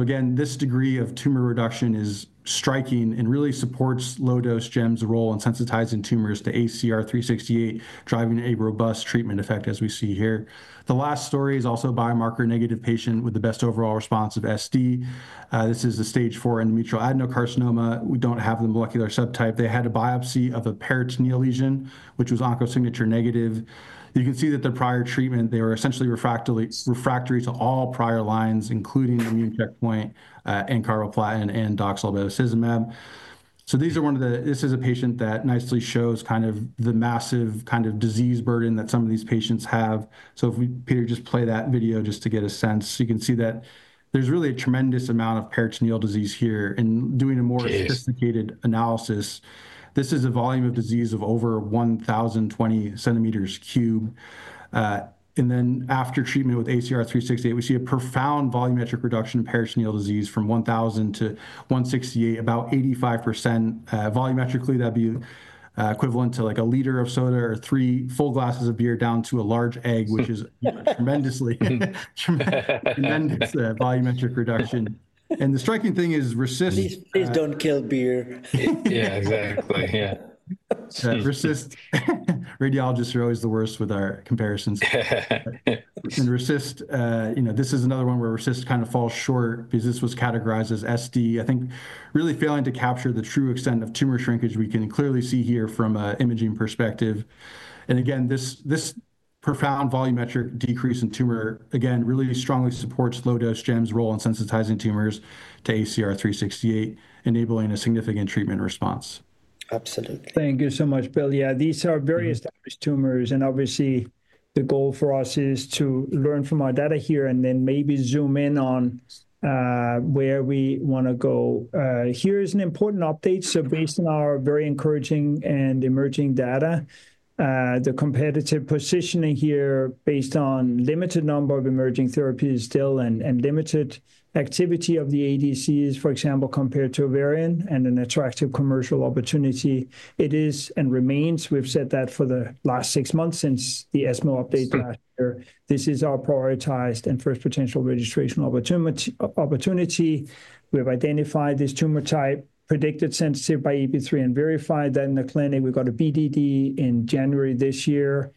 Again, this degree of tumor reduction is striking and really supports low dose gem's role in sensitizing tumors to ACR-368, driving a robust treatment effect as we see here. The last story is also a biomarker-negative patient with the best overall response of SD. This is a stage four endometrial adenocarcinoma. We do not have the molecular subtype. They had a biopsy of a peritoneal lesion, which was OncoSignature negative. You can see that their prior treatment, they were essentially refractory to all prior lines, including immune checkpoint and carboplatin and doxil, bevacizumab. These are one of the, this is a patient that nicely shows kind of the massive kind of disease burden that some of these patients have. If we, Peter, just play that video just to get a sense, you can see that there is really a tremendous amount of peritoneal disease here. Doing a more sophisticated analysis, this is a volume of disease of over 1,020 centimeters cubed. After treatment with ACR-368, we see a profound volumetric reduction in peritoneal disease from 1,000 to 168, about 85% volumetrically. That would be equivalent to like a liter of soda or three full glasses of beer down to a large egg, which is a tremendously tremendous volumetric reduction. The striking thing is RECIST. Please do not kill beer. Yeah, exactly. Yeah. RECIST, radiologists are always the worst with our comparisons. RECIST, this is another one where RECIST kind of falls short because this was categorized as SD. I think really failing to capture the true extent of tumor shrinkage, we can clearly see here from an imaging perspective. Again, this profound volumetric decrease in tumor really strongly supports low-dose gem's role in sensitizing tumors to ACR-368, enabling a significant treatment response. Absolutely. Thank you so much, Bill. Yeah, these are very established tumors. Obviously, the goal for us is to learn from our data here and then maybe zoom in on where we want to go. Here is an important update. Based on our very encouraging and emerging data, the competitive positioning here, based on limited number of emerging therapies still and limited activity of the ADCs, for example, compared to ovarian and an attractive commercial opportunity, it is and remains. We've said that for the last six months since the ESMO update last year. This is our prioritized and first potential registration opportunity. We've identified this tumor type, predicted sensitive by AP3 and verified that in the clinic. We got a BDD in January this year.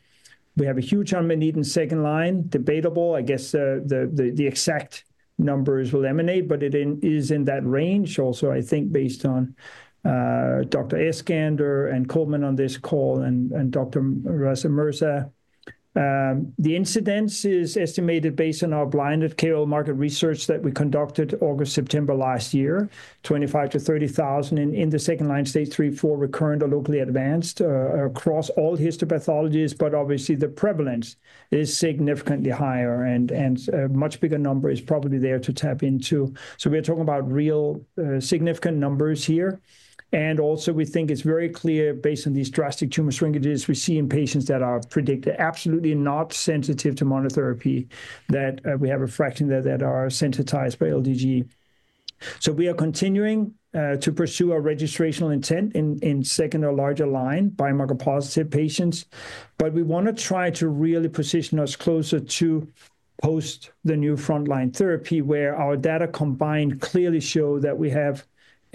We have a huge unmet need in second line, debatable. I guess the exact numbers will emanate, but it is in that range also, I think, based on Dr. Eskander and Coleman on this call and Dr. Raza Mirza. The incidence is estimated based on our blinded carrier market research that we conducted August, September last year, 25,000-30,000 in the second line, stage three, four recurrent or locally advanced across all histopathologies. Obviously, the prevalence is significantly higher and a much bigger number is probably there to tap into. We are talking about real significant numbers here. We think it is very clear based on these drastic tumor shrinkages we see in patients that are predicted absolutely not sensitive to monotherapy that we have refraction there that are sensitized by LDG. We are continuing to pursue our registrational intent in second or larger line biomarker-positive patients. We want to try to really position us closer to post the new frontline therapy where our data combined clearly show that we have,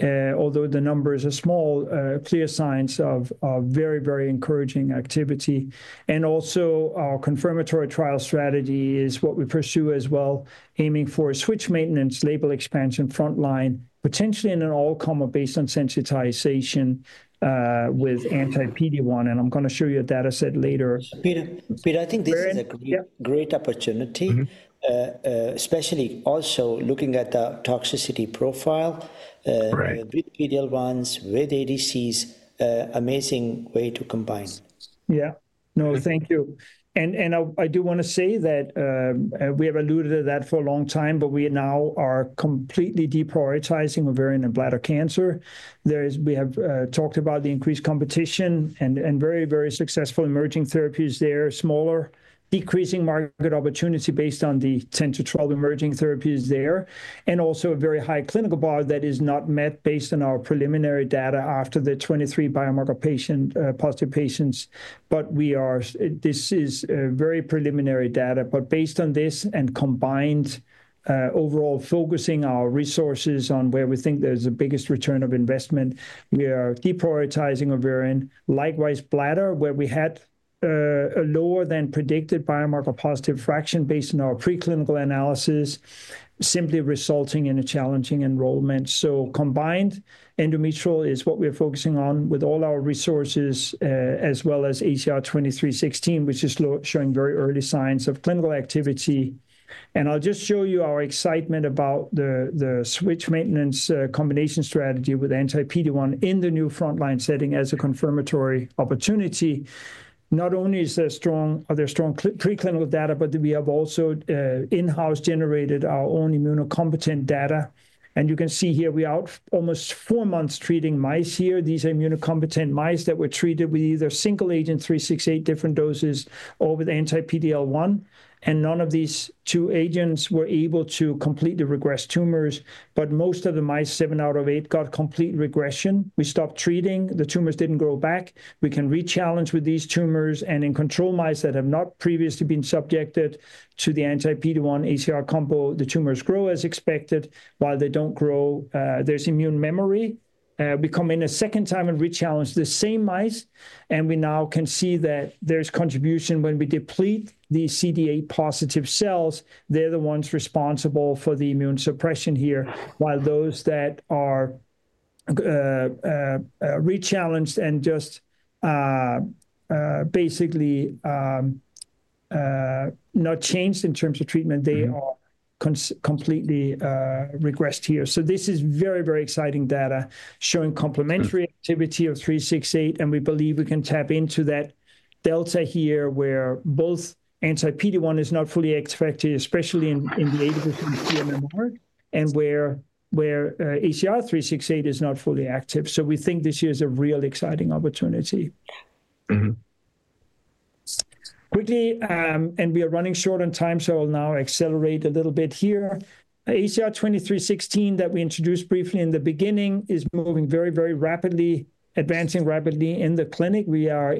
although the numbers are small, clear signs of very, very encouraging activity. Also, our confirmatory trial strategy is what we pursue as well, aiming for switch maintenance, label expansion, frontline, potentially in an all-comer based on sensitization with anti-PD-1. I'm going to show you a data set later. Peter, I think this is a great opportunity, especially also looking at the toxicity profile. Right. With PD-1s, with ADCs, amazing way to combine. Yeah. No, thank you. I do want to say that we have alluded to that for a long time, but we now are completely deprioritizing ovarian and bladder cancer. We have talked about the increased competition and very, very successful emerging therapies there, smaller, decreasing market opportunity based on the 10-12 emerging therapies there, and also a very high clinical bar that is not met based on our preliminary data after the 23 biomarker-positive patients. This is very preliminary data. Based on this and combined overall focusing our resources on where we think there's the biggest return of investment, we are deprioritizing ovarian. Likewise, bladder, where we had a lower than predicted biomarker-positive fraction based on our preclinical analysis, simply resulting in a challenging enrollment. Combined, endometrial is what we're focusing on with all our resources, as well as ACR-2316, which is showing very early signs of clinical activity. I'll just show you our excitement about the switch maintenance combination strategy with anti-PD-1 in the new frontline setting as a confirmatory opportunity. Not only is there strong preclinical data, but we have also in-house generated our own immunocompetent data. You can see here we are almost four months treating mice here. These are immunocompetent mice that were treated with either single agent 368, different doses, or with anti-PD-1. None of these two agents were able to completely regress tumors. Most of the mice, seven out of eight, got complete regression. We stopped treating. The tumors did not grow back. We can re-challenge with these tumors and in control mice that have not previously been subjected to the anti-PD-1 ACR combo, the tumors grow as expected while they do not grow, there is immune memory. We come in a second time and re-challenge the same mice. We now can see that there's contribution when we deplete the CD8 positive cells. They're the ones responsible for the immune suppression here, while those that are re-challenged and just basically not changed in terms of treatment, they are completely regressed here. This is very, very exciting data showing complementary activity of 368. We believe we can tap into that delta here where both anti-PD-1 is not fully expected, especially in the 80% pMMR, and where ACR-368 is not fully active. We think this year is a real exciting opportunity. Quickly, we are running short on time, so I'll now accelerate a little bit here. ACR-2316 that we introduced briefly in the beginning is moving very, very rapidly, advancing rapidly in the clinic. We are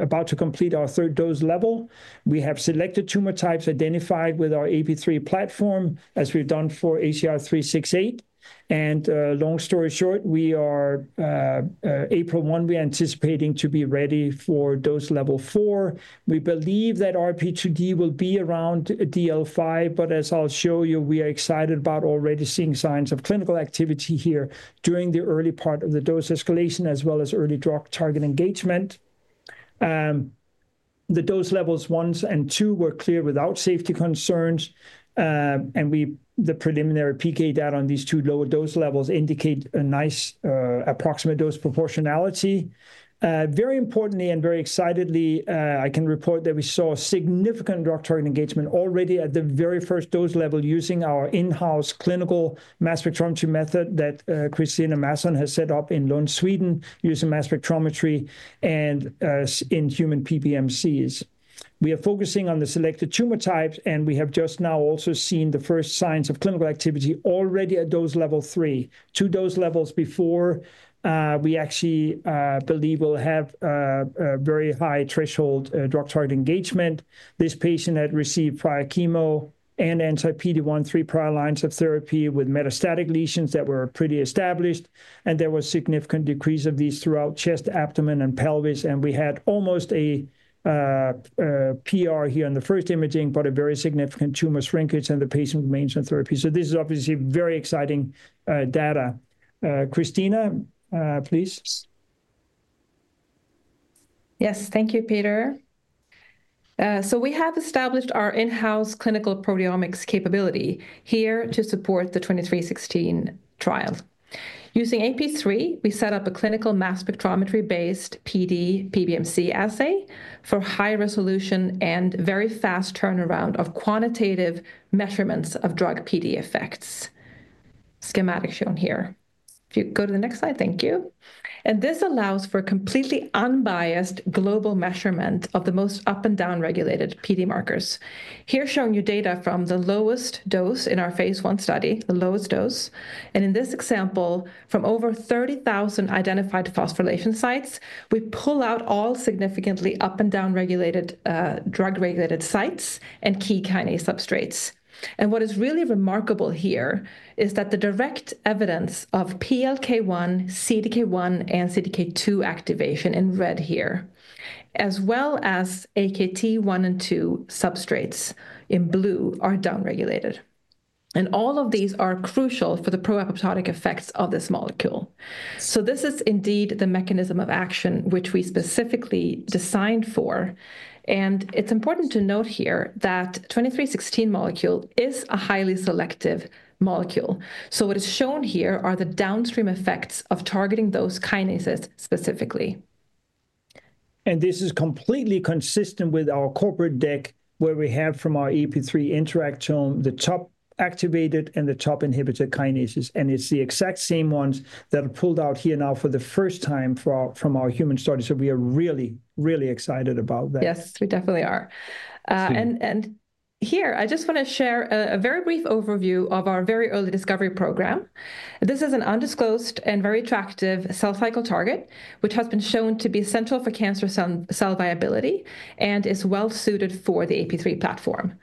about to complete our third dose level. We have selected tumor types identified with our AP3 platform, as we've done for ACR-368. Long story short, as of April 1, we are anticipating to be ready for dose level four. We believe that RP2D will be around DL5, but as I'll show you, we are excited about already seeing signs of clinical activity here during the early part of the dose escalation, as well as early drug target engagement. The dose levels one and two were clear without safety concerns. The preliminary PK data on these two lower dose levels indicate a nice approximate dose proportionality. Very importantly and very excitedly, I can report that we saw significant drug target engagement already at the very first dose level using our in-house clinical mass spectrometry method that Kristina Masson has set up in Lund, Sweden, using mass spectrometry and in human PBMCs. We are focusing on the selected tumor types, and we have just now also seen the first signs of clinical activity already at dose level three, two dose levels before we actually believe we'll have a very high threshold drug target engagement. This patient had received prior chemo and anti-PD-1, three prior lines of therapy with metastatic lesions that were pretty established. There was significant decrease of these throughout chest, abdomen, and pelvis. We had almost a PR here on the first imaging, but a very significant tumor shrinkage, and the patient remains on therapy. This is obviously very exciting data. Kristina, please. Yes, thank you, Peter. We have established our in-house clinical proteomics capability here to support the 2316 trial. Using AP3, we set up a clinical mass spectrometry-based PD PBMC assay for high resolution and very fast turnaround of quantitative measurements of drug PD effects. Schematic shown here. If you go to the next slide, thank you. This allows for a completely unbiased global measurement of the most up and down regulated PD markers. Here showing you data from the lowest dose in our phase one study, the lowest dose. In this example, from over 30,000 identified phosphorylation sites, we pull out all significantly up and down regulated drug-regulated sites and key kinase substrates. What is really remarkable here is that the direct evidence of PLK1, CDK1, and CDK2 activation in red here, as well as AKT1 and 2 substrates in blue, are downregulated. All of these are crucial for the proapoptotic effects of this molecule. This is indeed the mechanism of action which we specifically designed for. It's important to note here that the 2316 molecule is a highly selective molecule. What is shown here are the downstream effects of targeting those kinases specifically. This is completely consistent with our corporate deck where we have from our AP3 Interactome, the top activated and the top inhibited kinases. It's the exact same ones that are pulled out here now for the first time from our human study. We are really, really excited about that. Yes, we definitely are. Here, I just want to share a very brief overview of our very early discovery program. This is an undisclosed and very attractive cell cycle target, which has been shown to be essential for cancer cell viability and is well suited for the AP3 platform.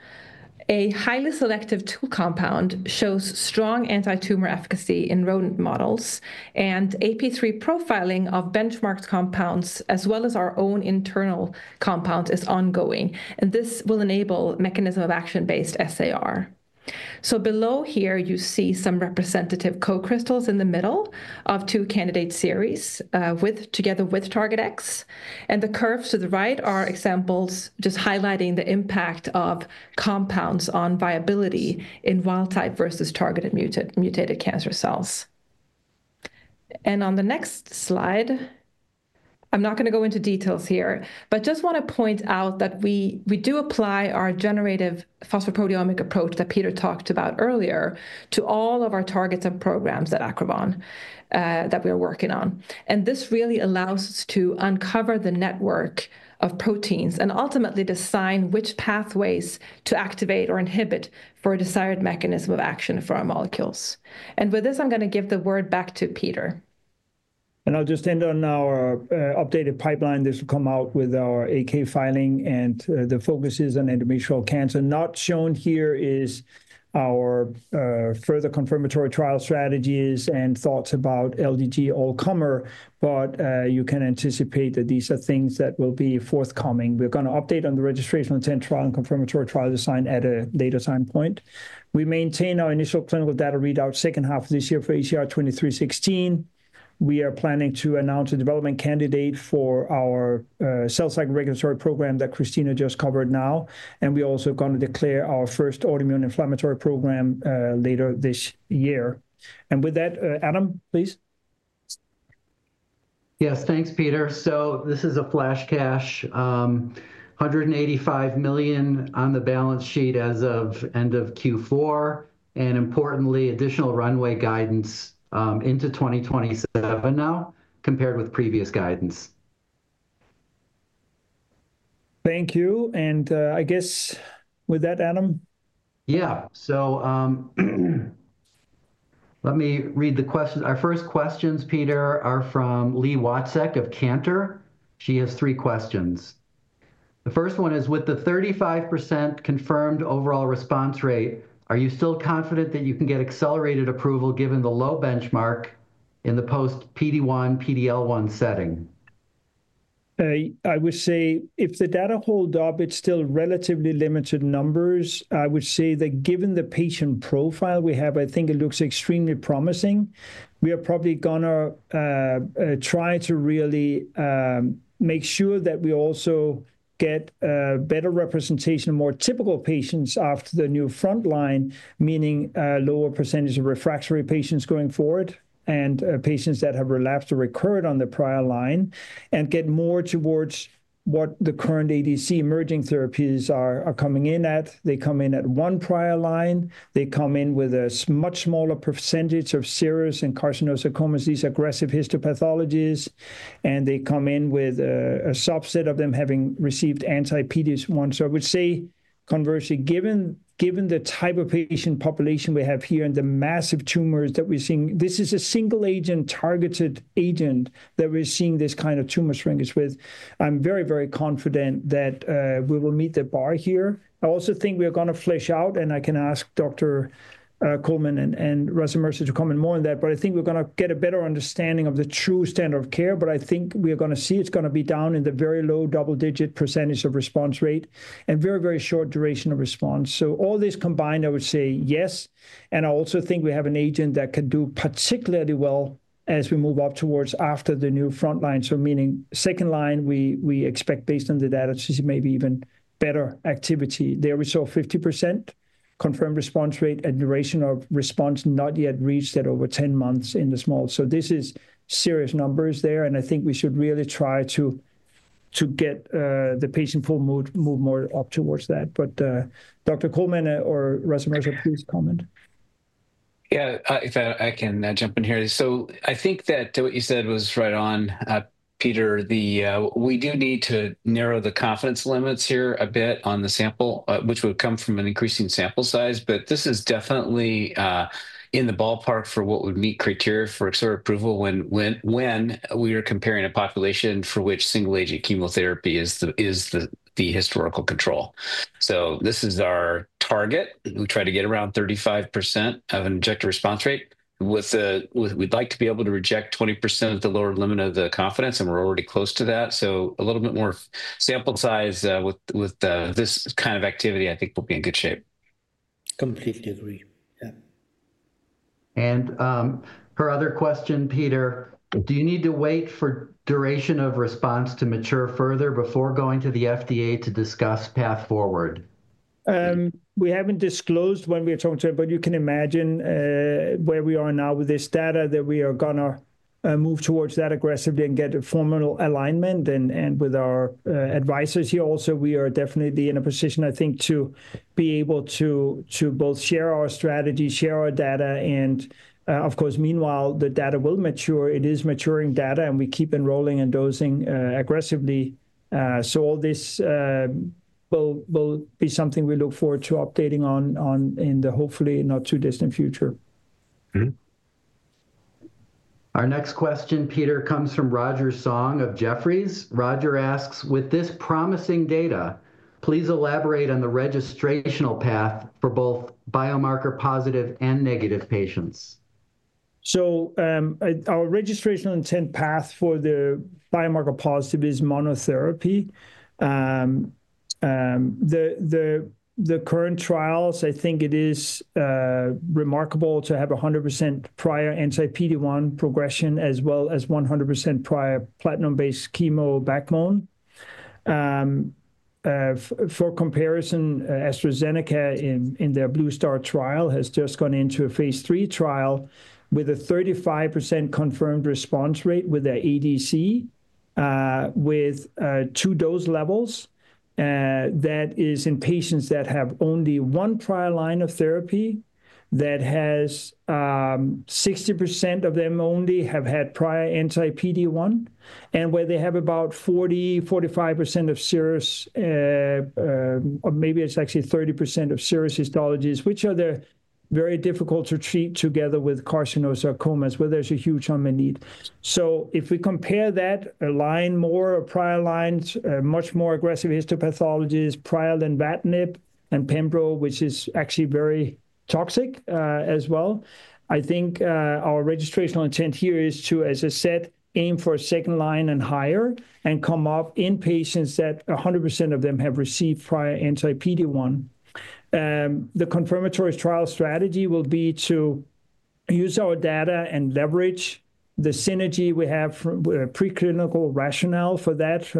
A highly selective two compound shows strong anti-tumor efficacy in rodent models, and AP3 profiling of benchmarked compounds, as well as our own internal compound, is ongoing. This will enable mechanism of action-based SAR. Below here, you see some representative co-crystals in the middle of two candidate series together with target X. The curves to the right are examples just highlighting the impact of compounds on viability in wild type versus targeted mutated cancer cells. On the next slide, I'm not going to go into details here, but just want to point out that we do apply our generative phosphoproteomic approach that Peter talked about earlier to all of our targets and programs at Acrivon that we are working on. This really allows us to uncover the network of proteins and ultimately decide which pathways to activate or inhibit for a desired mechanism of action for our molecules. With this, I'm going to give the word back to Peter. I'll just end on our updated pipeline. This will come out with our AK filing, and the focus is on endometrial cancer. Not shown here is our further confirmatory trial strategies and thoughts about LDG all comer, but you can anticipate that these are things that will be forthcoming. We're going to update on the registration of 10 trial and confirmatory trial design at a later time point. We maintain our initial clinical data readout second half of this year for ACR-2316. We are planning to announce a development candidate for our cell cycle regulatory program that Kristina just covered now. We also are going to declare our first autoimmune inflammatory program later this year. With that, Adam, please. Yes, thanks, Peter. This is a flash cash, $185 million on the balance sheet as of end of Q4, and importantly, additional runway guidance into 2027 now compared with previous guidance. Thank you. With that, Adam? Yeah. Let me read the questions. Our first questions, Peter, are from Lee Watzek of Cantor. She has three questions. The first one is, with the 35% confirmed overall response rate, are you still confident that you can get accelerated approval given the low benchmark in the post-PD-1, PD-L1 setting? I would say if the data hold up, it's still relatively limited numbers. I would say that given the patient profile we have, I think it looks extremely promising. We are probably going to try to really make sure that we also get better representation of more typical patients after the new frontline, meaning lower percentage of refractory patients going forward and patients that have relapsed or recurred on the prior line and get more towards what the current ADC emerging therapies are coming in at. They come in at one prior line. They come in with a much smaller percentage of serous and carcinosarcomas, these aggressive histopathologies. They come in with a subset of them having received anti-PD-1. I would say, conversely, given the type of patient population we have here and the massive tumors that we're seeing, this is a single agent targeted agent that we're seeing this kind of tumor shrinkage with. I'm very, very confident that we will meet the bar here. I also think we are going to flesh out, and I can ask Dr. Coleman and Russell Mercer to comment more on that, but I think we're going to get a better understanding of the true standard of care. I think we are going to see it's going to be down in the very low double-digit percentage of response rate and very, very short duration of response. All this combined, I would say, yes. I also think we have an agent that can do particularly well as we move up towards after the new frontline. Meaning second line, we expect based on the data to see maybe even better activity. There we saw 50% confirmed response rate and duration of response not yet reached at over 10 months in the small. This is serious numbers there. I think we should really try to get the patient full mood, move more up towards that. Dr. Coleman or Russell Mercer, please comment. Yeah, if I can jump in here. I think that what you said was right on, Peter. We do need to narrow the confidence limits here a bit on the sample, which would come from an increasing sample size. This is definitely in the ballpark for what would meet criteria for accelerated approval when we are comparing a population for which single agent chemotherapy is the historical control. This is our target. We try to get around 35% of an injector response rate. We'd like to be able to reject 20% of the lower limit of the confidence, and we're already close to that. A little bit more sample size with this kind of activity, I think, will be in good shape. Completely agree. Yeah. And her other question, Peter, do you need to wait for duration of response to mature further before going to the FDA to discuss path forward? We haven't disclosed when we are talking to them, but you can imagine where we are now with this data that we are going to move towards that aggressively and get a formal alignment. With our advisors here also, we are definitely in a position, I think, to be able to both share our strategy, share our data. Of course, meanwhile, the data will mature. It is maturing data, and we keep enrolling and dosing aggressively. All this will be something we look forward to updating on in the hopefully not too distant future. Our next question, Peter, comes from Roger Song of Jefferies. Roger asks, with this promising data, please elaborate on the registrational path for both biomarker positive and negative patients. Our registration intent path for the biomarker positive is monotherapy. The current trials, I think it is remarkable to have 100% prior anti-PD-1 progression, as well as 100% prior platinum-based chemo backbone. For comparison, AstraZeneca in their Blue Star trial has just gone into a phase three trial with a 35% confirmed response rate with their ADC with two dose levels. That is in patients that have only one prior line of therapy that has 60% of them only have had prior anti-PD-1, and where they have about 40%-45% of serous, or maybe it is actually 30% of serous histologies, which are very difficult to treat together with carcinosarcomas, where there is a huge amount of need. If we compare that line more or prior lines, much more aggressive histopathologies, prior than Lenvatinib and Pembro, which is actually very toxic as well. I think our registrational intent here is to, as I said, aim for a second line and higher and come up in patients that 100% of them have received prior anti-PD-1. The confirmatory trial strategy will be to use our data and leverage the synergy we have with a preclinical rationale for that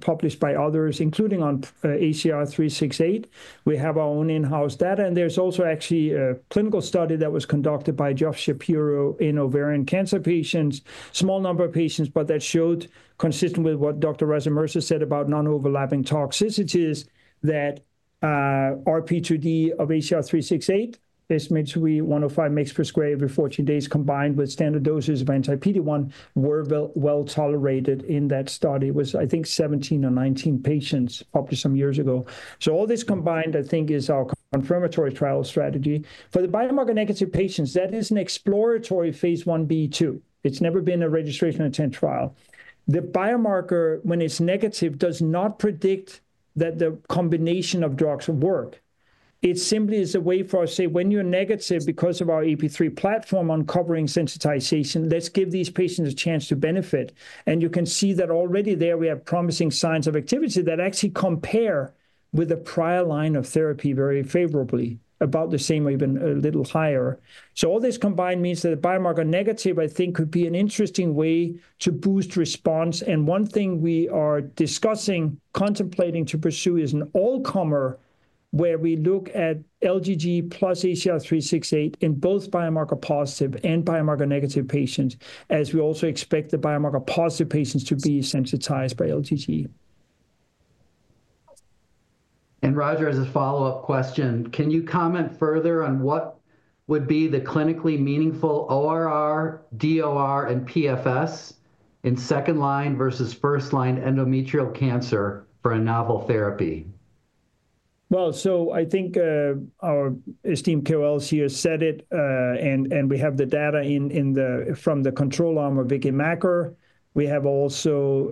published by others, including on ACR-368. We have our own in-house data. And there's also actually a clinical study that was conducted by Geoff Shapiro in ovarian cancer patients, small number of patients, but that showed consistent with what Dr. Russell Mercer said about non-overlapping toxicities that RP2D of ACR-368, estimates we 105 mg per square every 14 days combined with standard doses of anti-PD-1 were well tolerated in that study. It was, I think, 17 or 19 patients up to some years ago. All this combined, I think, is our confirmatory trial strategy. For the biomarker-negative patients, that is an exploratory phase one B2. It's never been a registration intent trial. The biomarker, when it's negative, does not predict that the combination of drugs will work. It simply is a way for us to say, when you're negative because of our AP3 platform uncovering sensitization, let's give these patients a chance to benefit. You can see that already there we have promising signs of activity that actually compare with a prior line of therapy very favorably, about the same or even a little higher. All this combined means that the biomarker negative, I think, could be an interesting way to boost response. One thing we are discussing, contemplating to pursue is an all comer where we look at low-dose gemcitabine plus ACR-368 in both biomarker positive and biomarker negative patients, as we also expect the biomarker positive patients to be sensitized by low-dose gemcitabine. Roger, as a follow-up question, can you comment further on what would be the clinically meaningful ORR, DOR, and PFS in second line versus first line endometrial cancer for a novel therapy? I think our esteemed KOLs here said it, and we have the data from the control arm of Vicki Mcilroy. We have also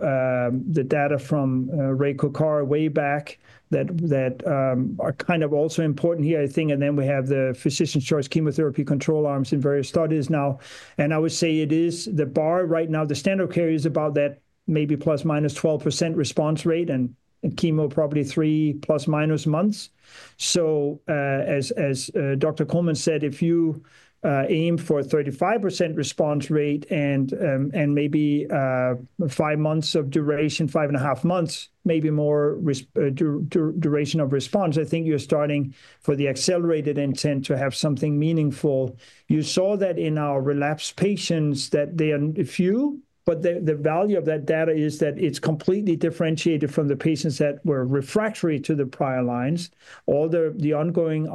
the data from Ray Coccar way back that are kind of also important here, I think. We have the physicians' choice chemotherapy control arms in various studies now. I would say it is the bar right now. The standard carrier is about that, maybe plus minus 12% response rate, and chemo probably three plus minus months. As Dr. Coleman said, if you aim for a 35% response rate and maybe five months of duration, five and a half months, maybe more duration of response, I think you're starting for the accelerated intent to have something meaningful. You saw that in our relapsed patients that they are few, but the value of that data is that it's completely differentiated from the patients that were refractory to the prior lines. All the ongoing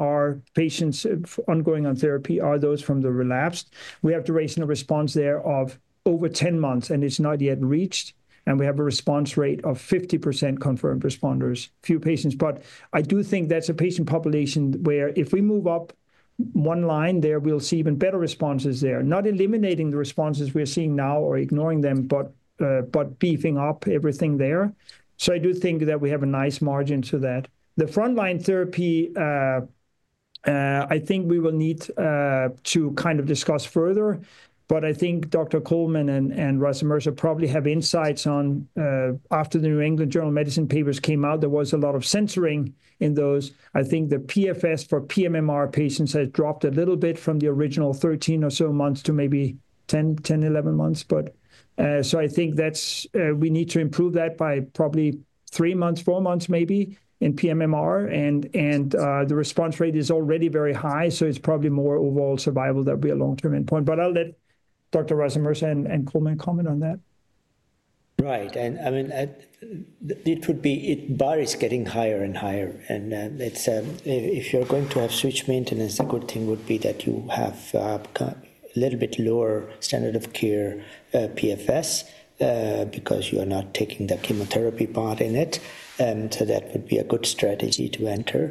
patients ongoing on therapy are those from the relapsed. We have duration of response there of over 10 months, and it's not yet reached. We have a response rate of 50% confirmed responders, few patients. But I do think that's a patient population where if we move up one line there, we'll see even better responses there. Not eliminating the responses we're seeing now or ignoring them, but beefing up everything there. I do think that we have a nice margin to that. The frontline therapy, I think we will need to kind of discuss further. I think Dr. Coleman and Russell Mercer probably have insights on after the New England Journal of Medicine papers came out, there was a lot of censoring in those. I think the PFS for pMMR patients has dropped a little bit from the original 13 or so months to maybe 10, 11 months. I think we need to improve that by probably three months, four months maybe in pMMR. The response rate is already very high, so it's probably more overall survival that will be a long-term endpoint. I'll let Dr. Robert L. Coleman comment on that. Right. I mean, the bar is getting higher and higher. If you're going to have switch maintenance, a good thing would be that you have a little bit lower standard of care PFS because you are not taking the chemotherapy part in it. That would be a good strategy to enter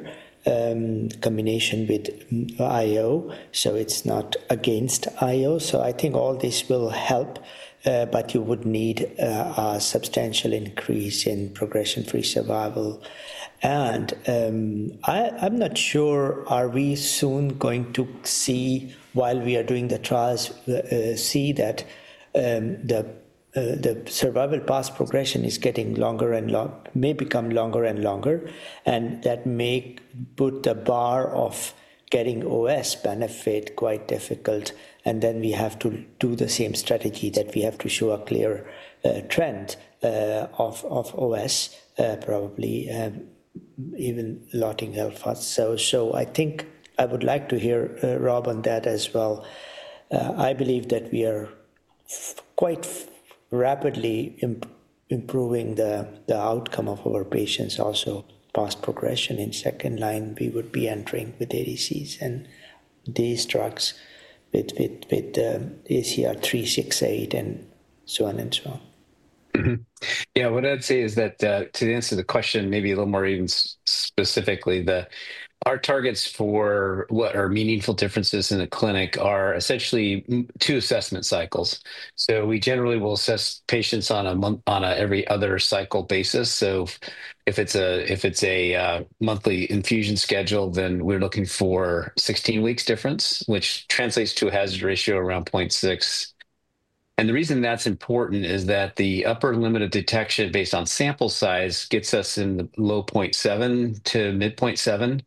combination with IO, so it's not against IO. I think all this will help, but you would need a substantial increase in progression-free survival. I'm not sure are we soon going to see, while we are doing the trials, that the survival past progression is getting longer and may become longer and longer. That may put the bar of getting OS benefit quite difficult. We have to do the same strategy that we have to show a clear trend of OS, probably even lotting alpha. I think I would like to hear Rob on that as well. I believe that we are quite rapidly improving the outcome of our patients, also past progression in second line. We would be entering with ADCs and these drugs with ACR-368 and so on and so on. Yeah. What I'd say is that to answer the question maybe a little more even specifically, our targets for what are meaningful differences in the clinic are essentially two assessment cycles. We generally will assess patients on an every other cycle basis. If it's a monthly infusion schedule, then we're looking for 16 weeks difference, which translates to a hazard ratio around 0.6. The reason that's important is that the upper limit of detection based on sample size gets us in the low 0.7 to mid 0.7 range,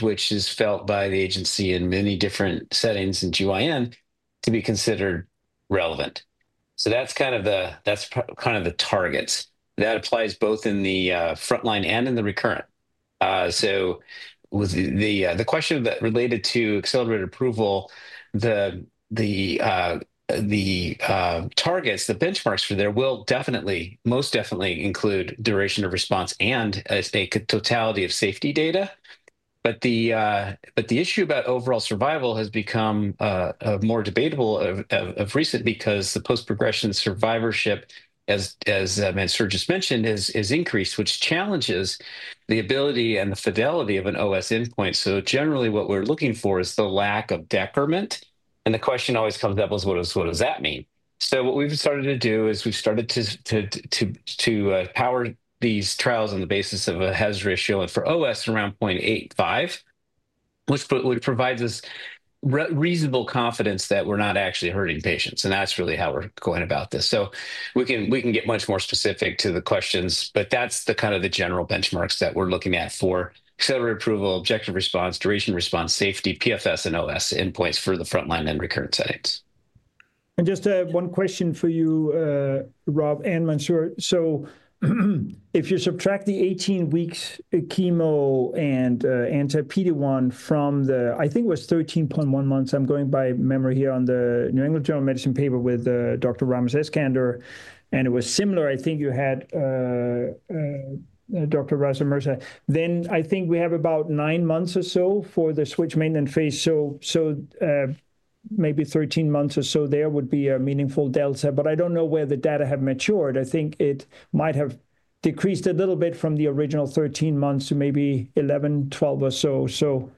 which is felt by the agency in many different settings in GYN to be considered relevant. That's kind of the targets. That applies both in the frontline and in the recurrent. The question related to accelerated approval, the targets, the benchmarks for there will definitely, most definitely include duration of response and a totality of safety data. The issue about overall survival has become more debatable of recent because the post-progression survivorship, as Sir just mentioned, has increased, which challenges the ability and the fidelity of an OS endpoint. Generally, what we're looking for is the lack of decrement. The question always comes up is, what does that mean? What we've started to do is we've started to power these trials on the basis of a hazard ratio for OS around 0.85, which provides us reasonable confidence that we're not actually hurting patients. That's really how we're going about this. We can get much more specific to the questions, but that's the kind of the general benchmarks that we're looking at for accelerated approval, objective response, duration response, safety, PFS, and OS endpoints for the frontline and recurrent settings. Just one question for you, Rob and Mansoor. If you subtract the 18 weeks chemo and anti-PD-1 from the, I think it was 13.1 months, I'm going by memory here on the New England Journal of Medicine paper with Dr. Ramez Eskander. It was similar, I think you had Dr. Robert Coleman. I think we have about nine months or so for the switch maintenance phase. Maybe 13 months or so there would be a meaningful delta. I do not know where the data have matured. I think it might have decreased a little bit from the original 13 months to maybe 11, 12 or so.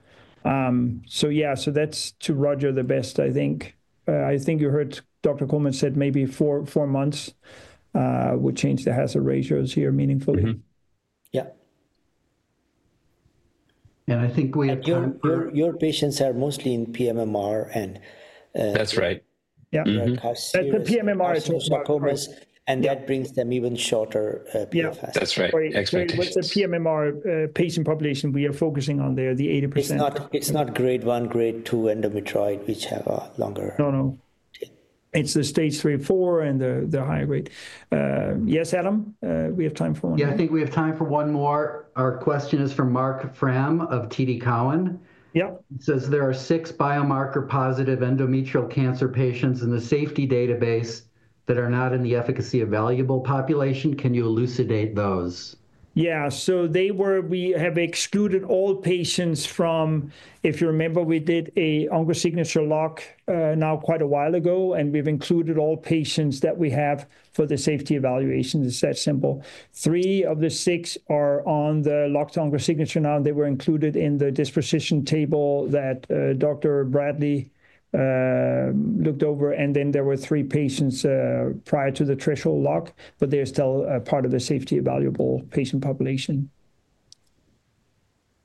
Yeah, that is to Roger the best, I think. I think you heard Dr. Coleman said maybe four months would change the hazard ratios here meaningfully. Yeah. I think we have your patients are mostly in pMMR and that is right. Yeah. The pMMR is also common and that brings them even shorter PFS. That is right. Expectation. What is the pMMR patient population we are focusing on there, the 80%? It is not grade one, grade two endometrioid, which have a longer. No, no. It is the stage three, four, and the higher grade. Yes, Adam, we have time for one. Yeah, I think we have time for one more. Our question is from Mark Fram of TD Cowen. Yep. He says there are six biomarker-positive endometrial cancer patients in the safety database that are not in the efficacy evaluable population. Can you elucidate those? Yeah. We have excluded all patients from, if you remember, we did an OncoSignature lock now quite a while ago, and we've included all patients that we have for the safety evaluation. It's that simple. Three of the six are on the locked OncoSignature now, and they were included in the disposition table that Dr. Bradley looked over. There were three patients prior to the threshold lock, but they're still part of the safety evaluable patient population.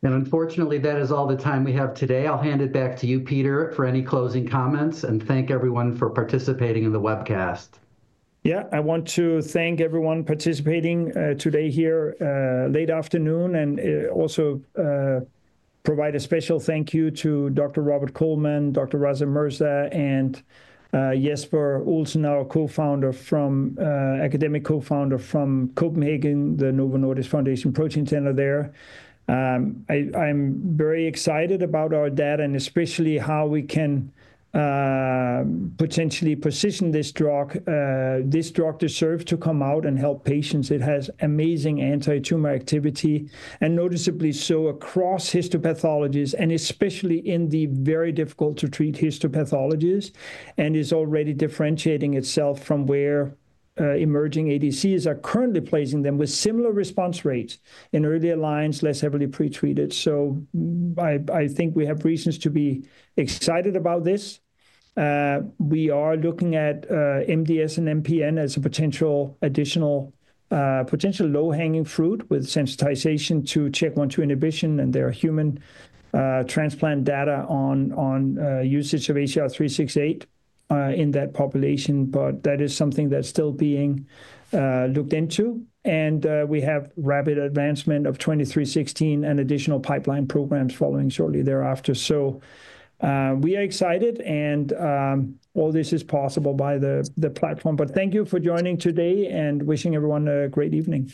Unfortunately, that is all the time we have today. I'll hand it back to you, Peter, for any closing comments and thank everyone for participating in the webcast. Yeah. I want to thank everyone participating today here late afternoon and also provide a special thank you to Dr. Robert Coleman, Dr. Russell Mercer, and Jesper Olsen, our Co-founder from academic Co-founder from Copenhagen, the Novo Nordisk Foundation Center for Protein Research there. I'm very excited about our data and especially how we can potentially position this drug, this drug to serve to come out and help patients. It has amazing anti-tumor activity and noticeably so across histopathologies and especially in the very difficult to treat histopathologies and is already differentiating itself from where emerging ADCs are currently placing them with similar response rates in early lines, less heavily pretreated. I think we have reasons to be excited about this. We are looking at MDS and MPN as a potential additional potential low-hanging fruit with sensitization to CHK1/2 inhibition and their human transplant data on usage of ACR-368 in that population. That is something that's still being looked into. We have rapid advancement of ACR-2316 and additional pipeline programs following shortly thereafter. We are excited and all this is possible by the platform. Thank you for joining today and wishing everyone a great evening.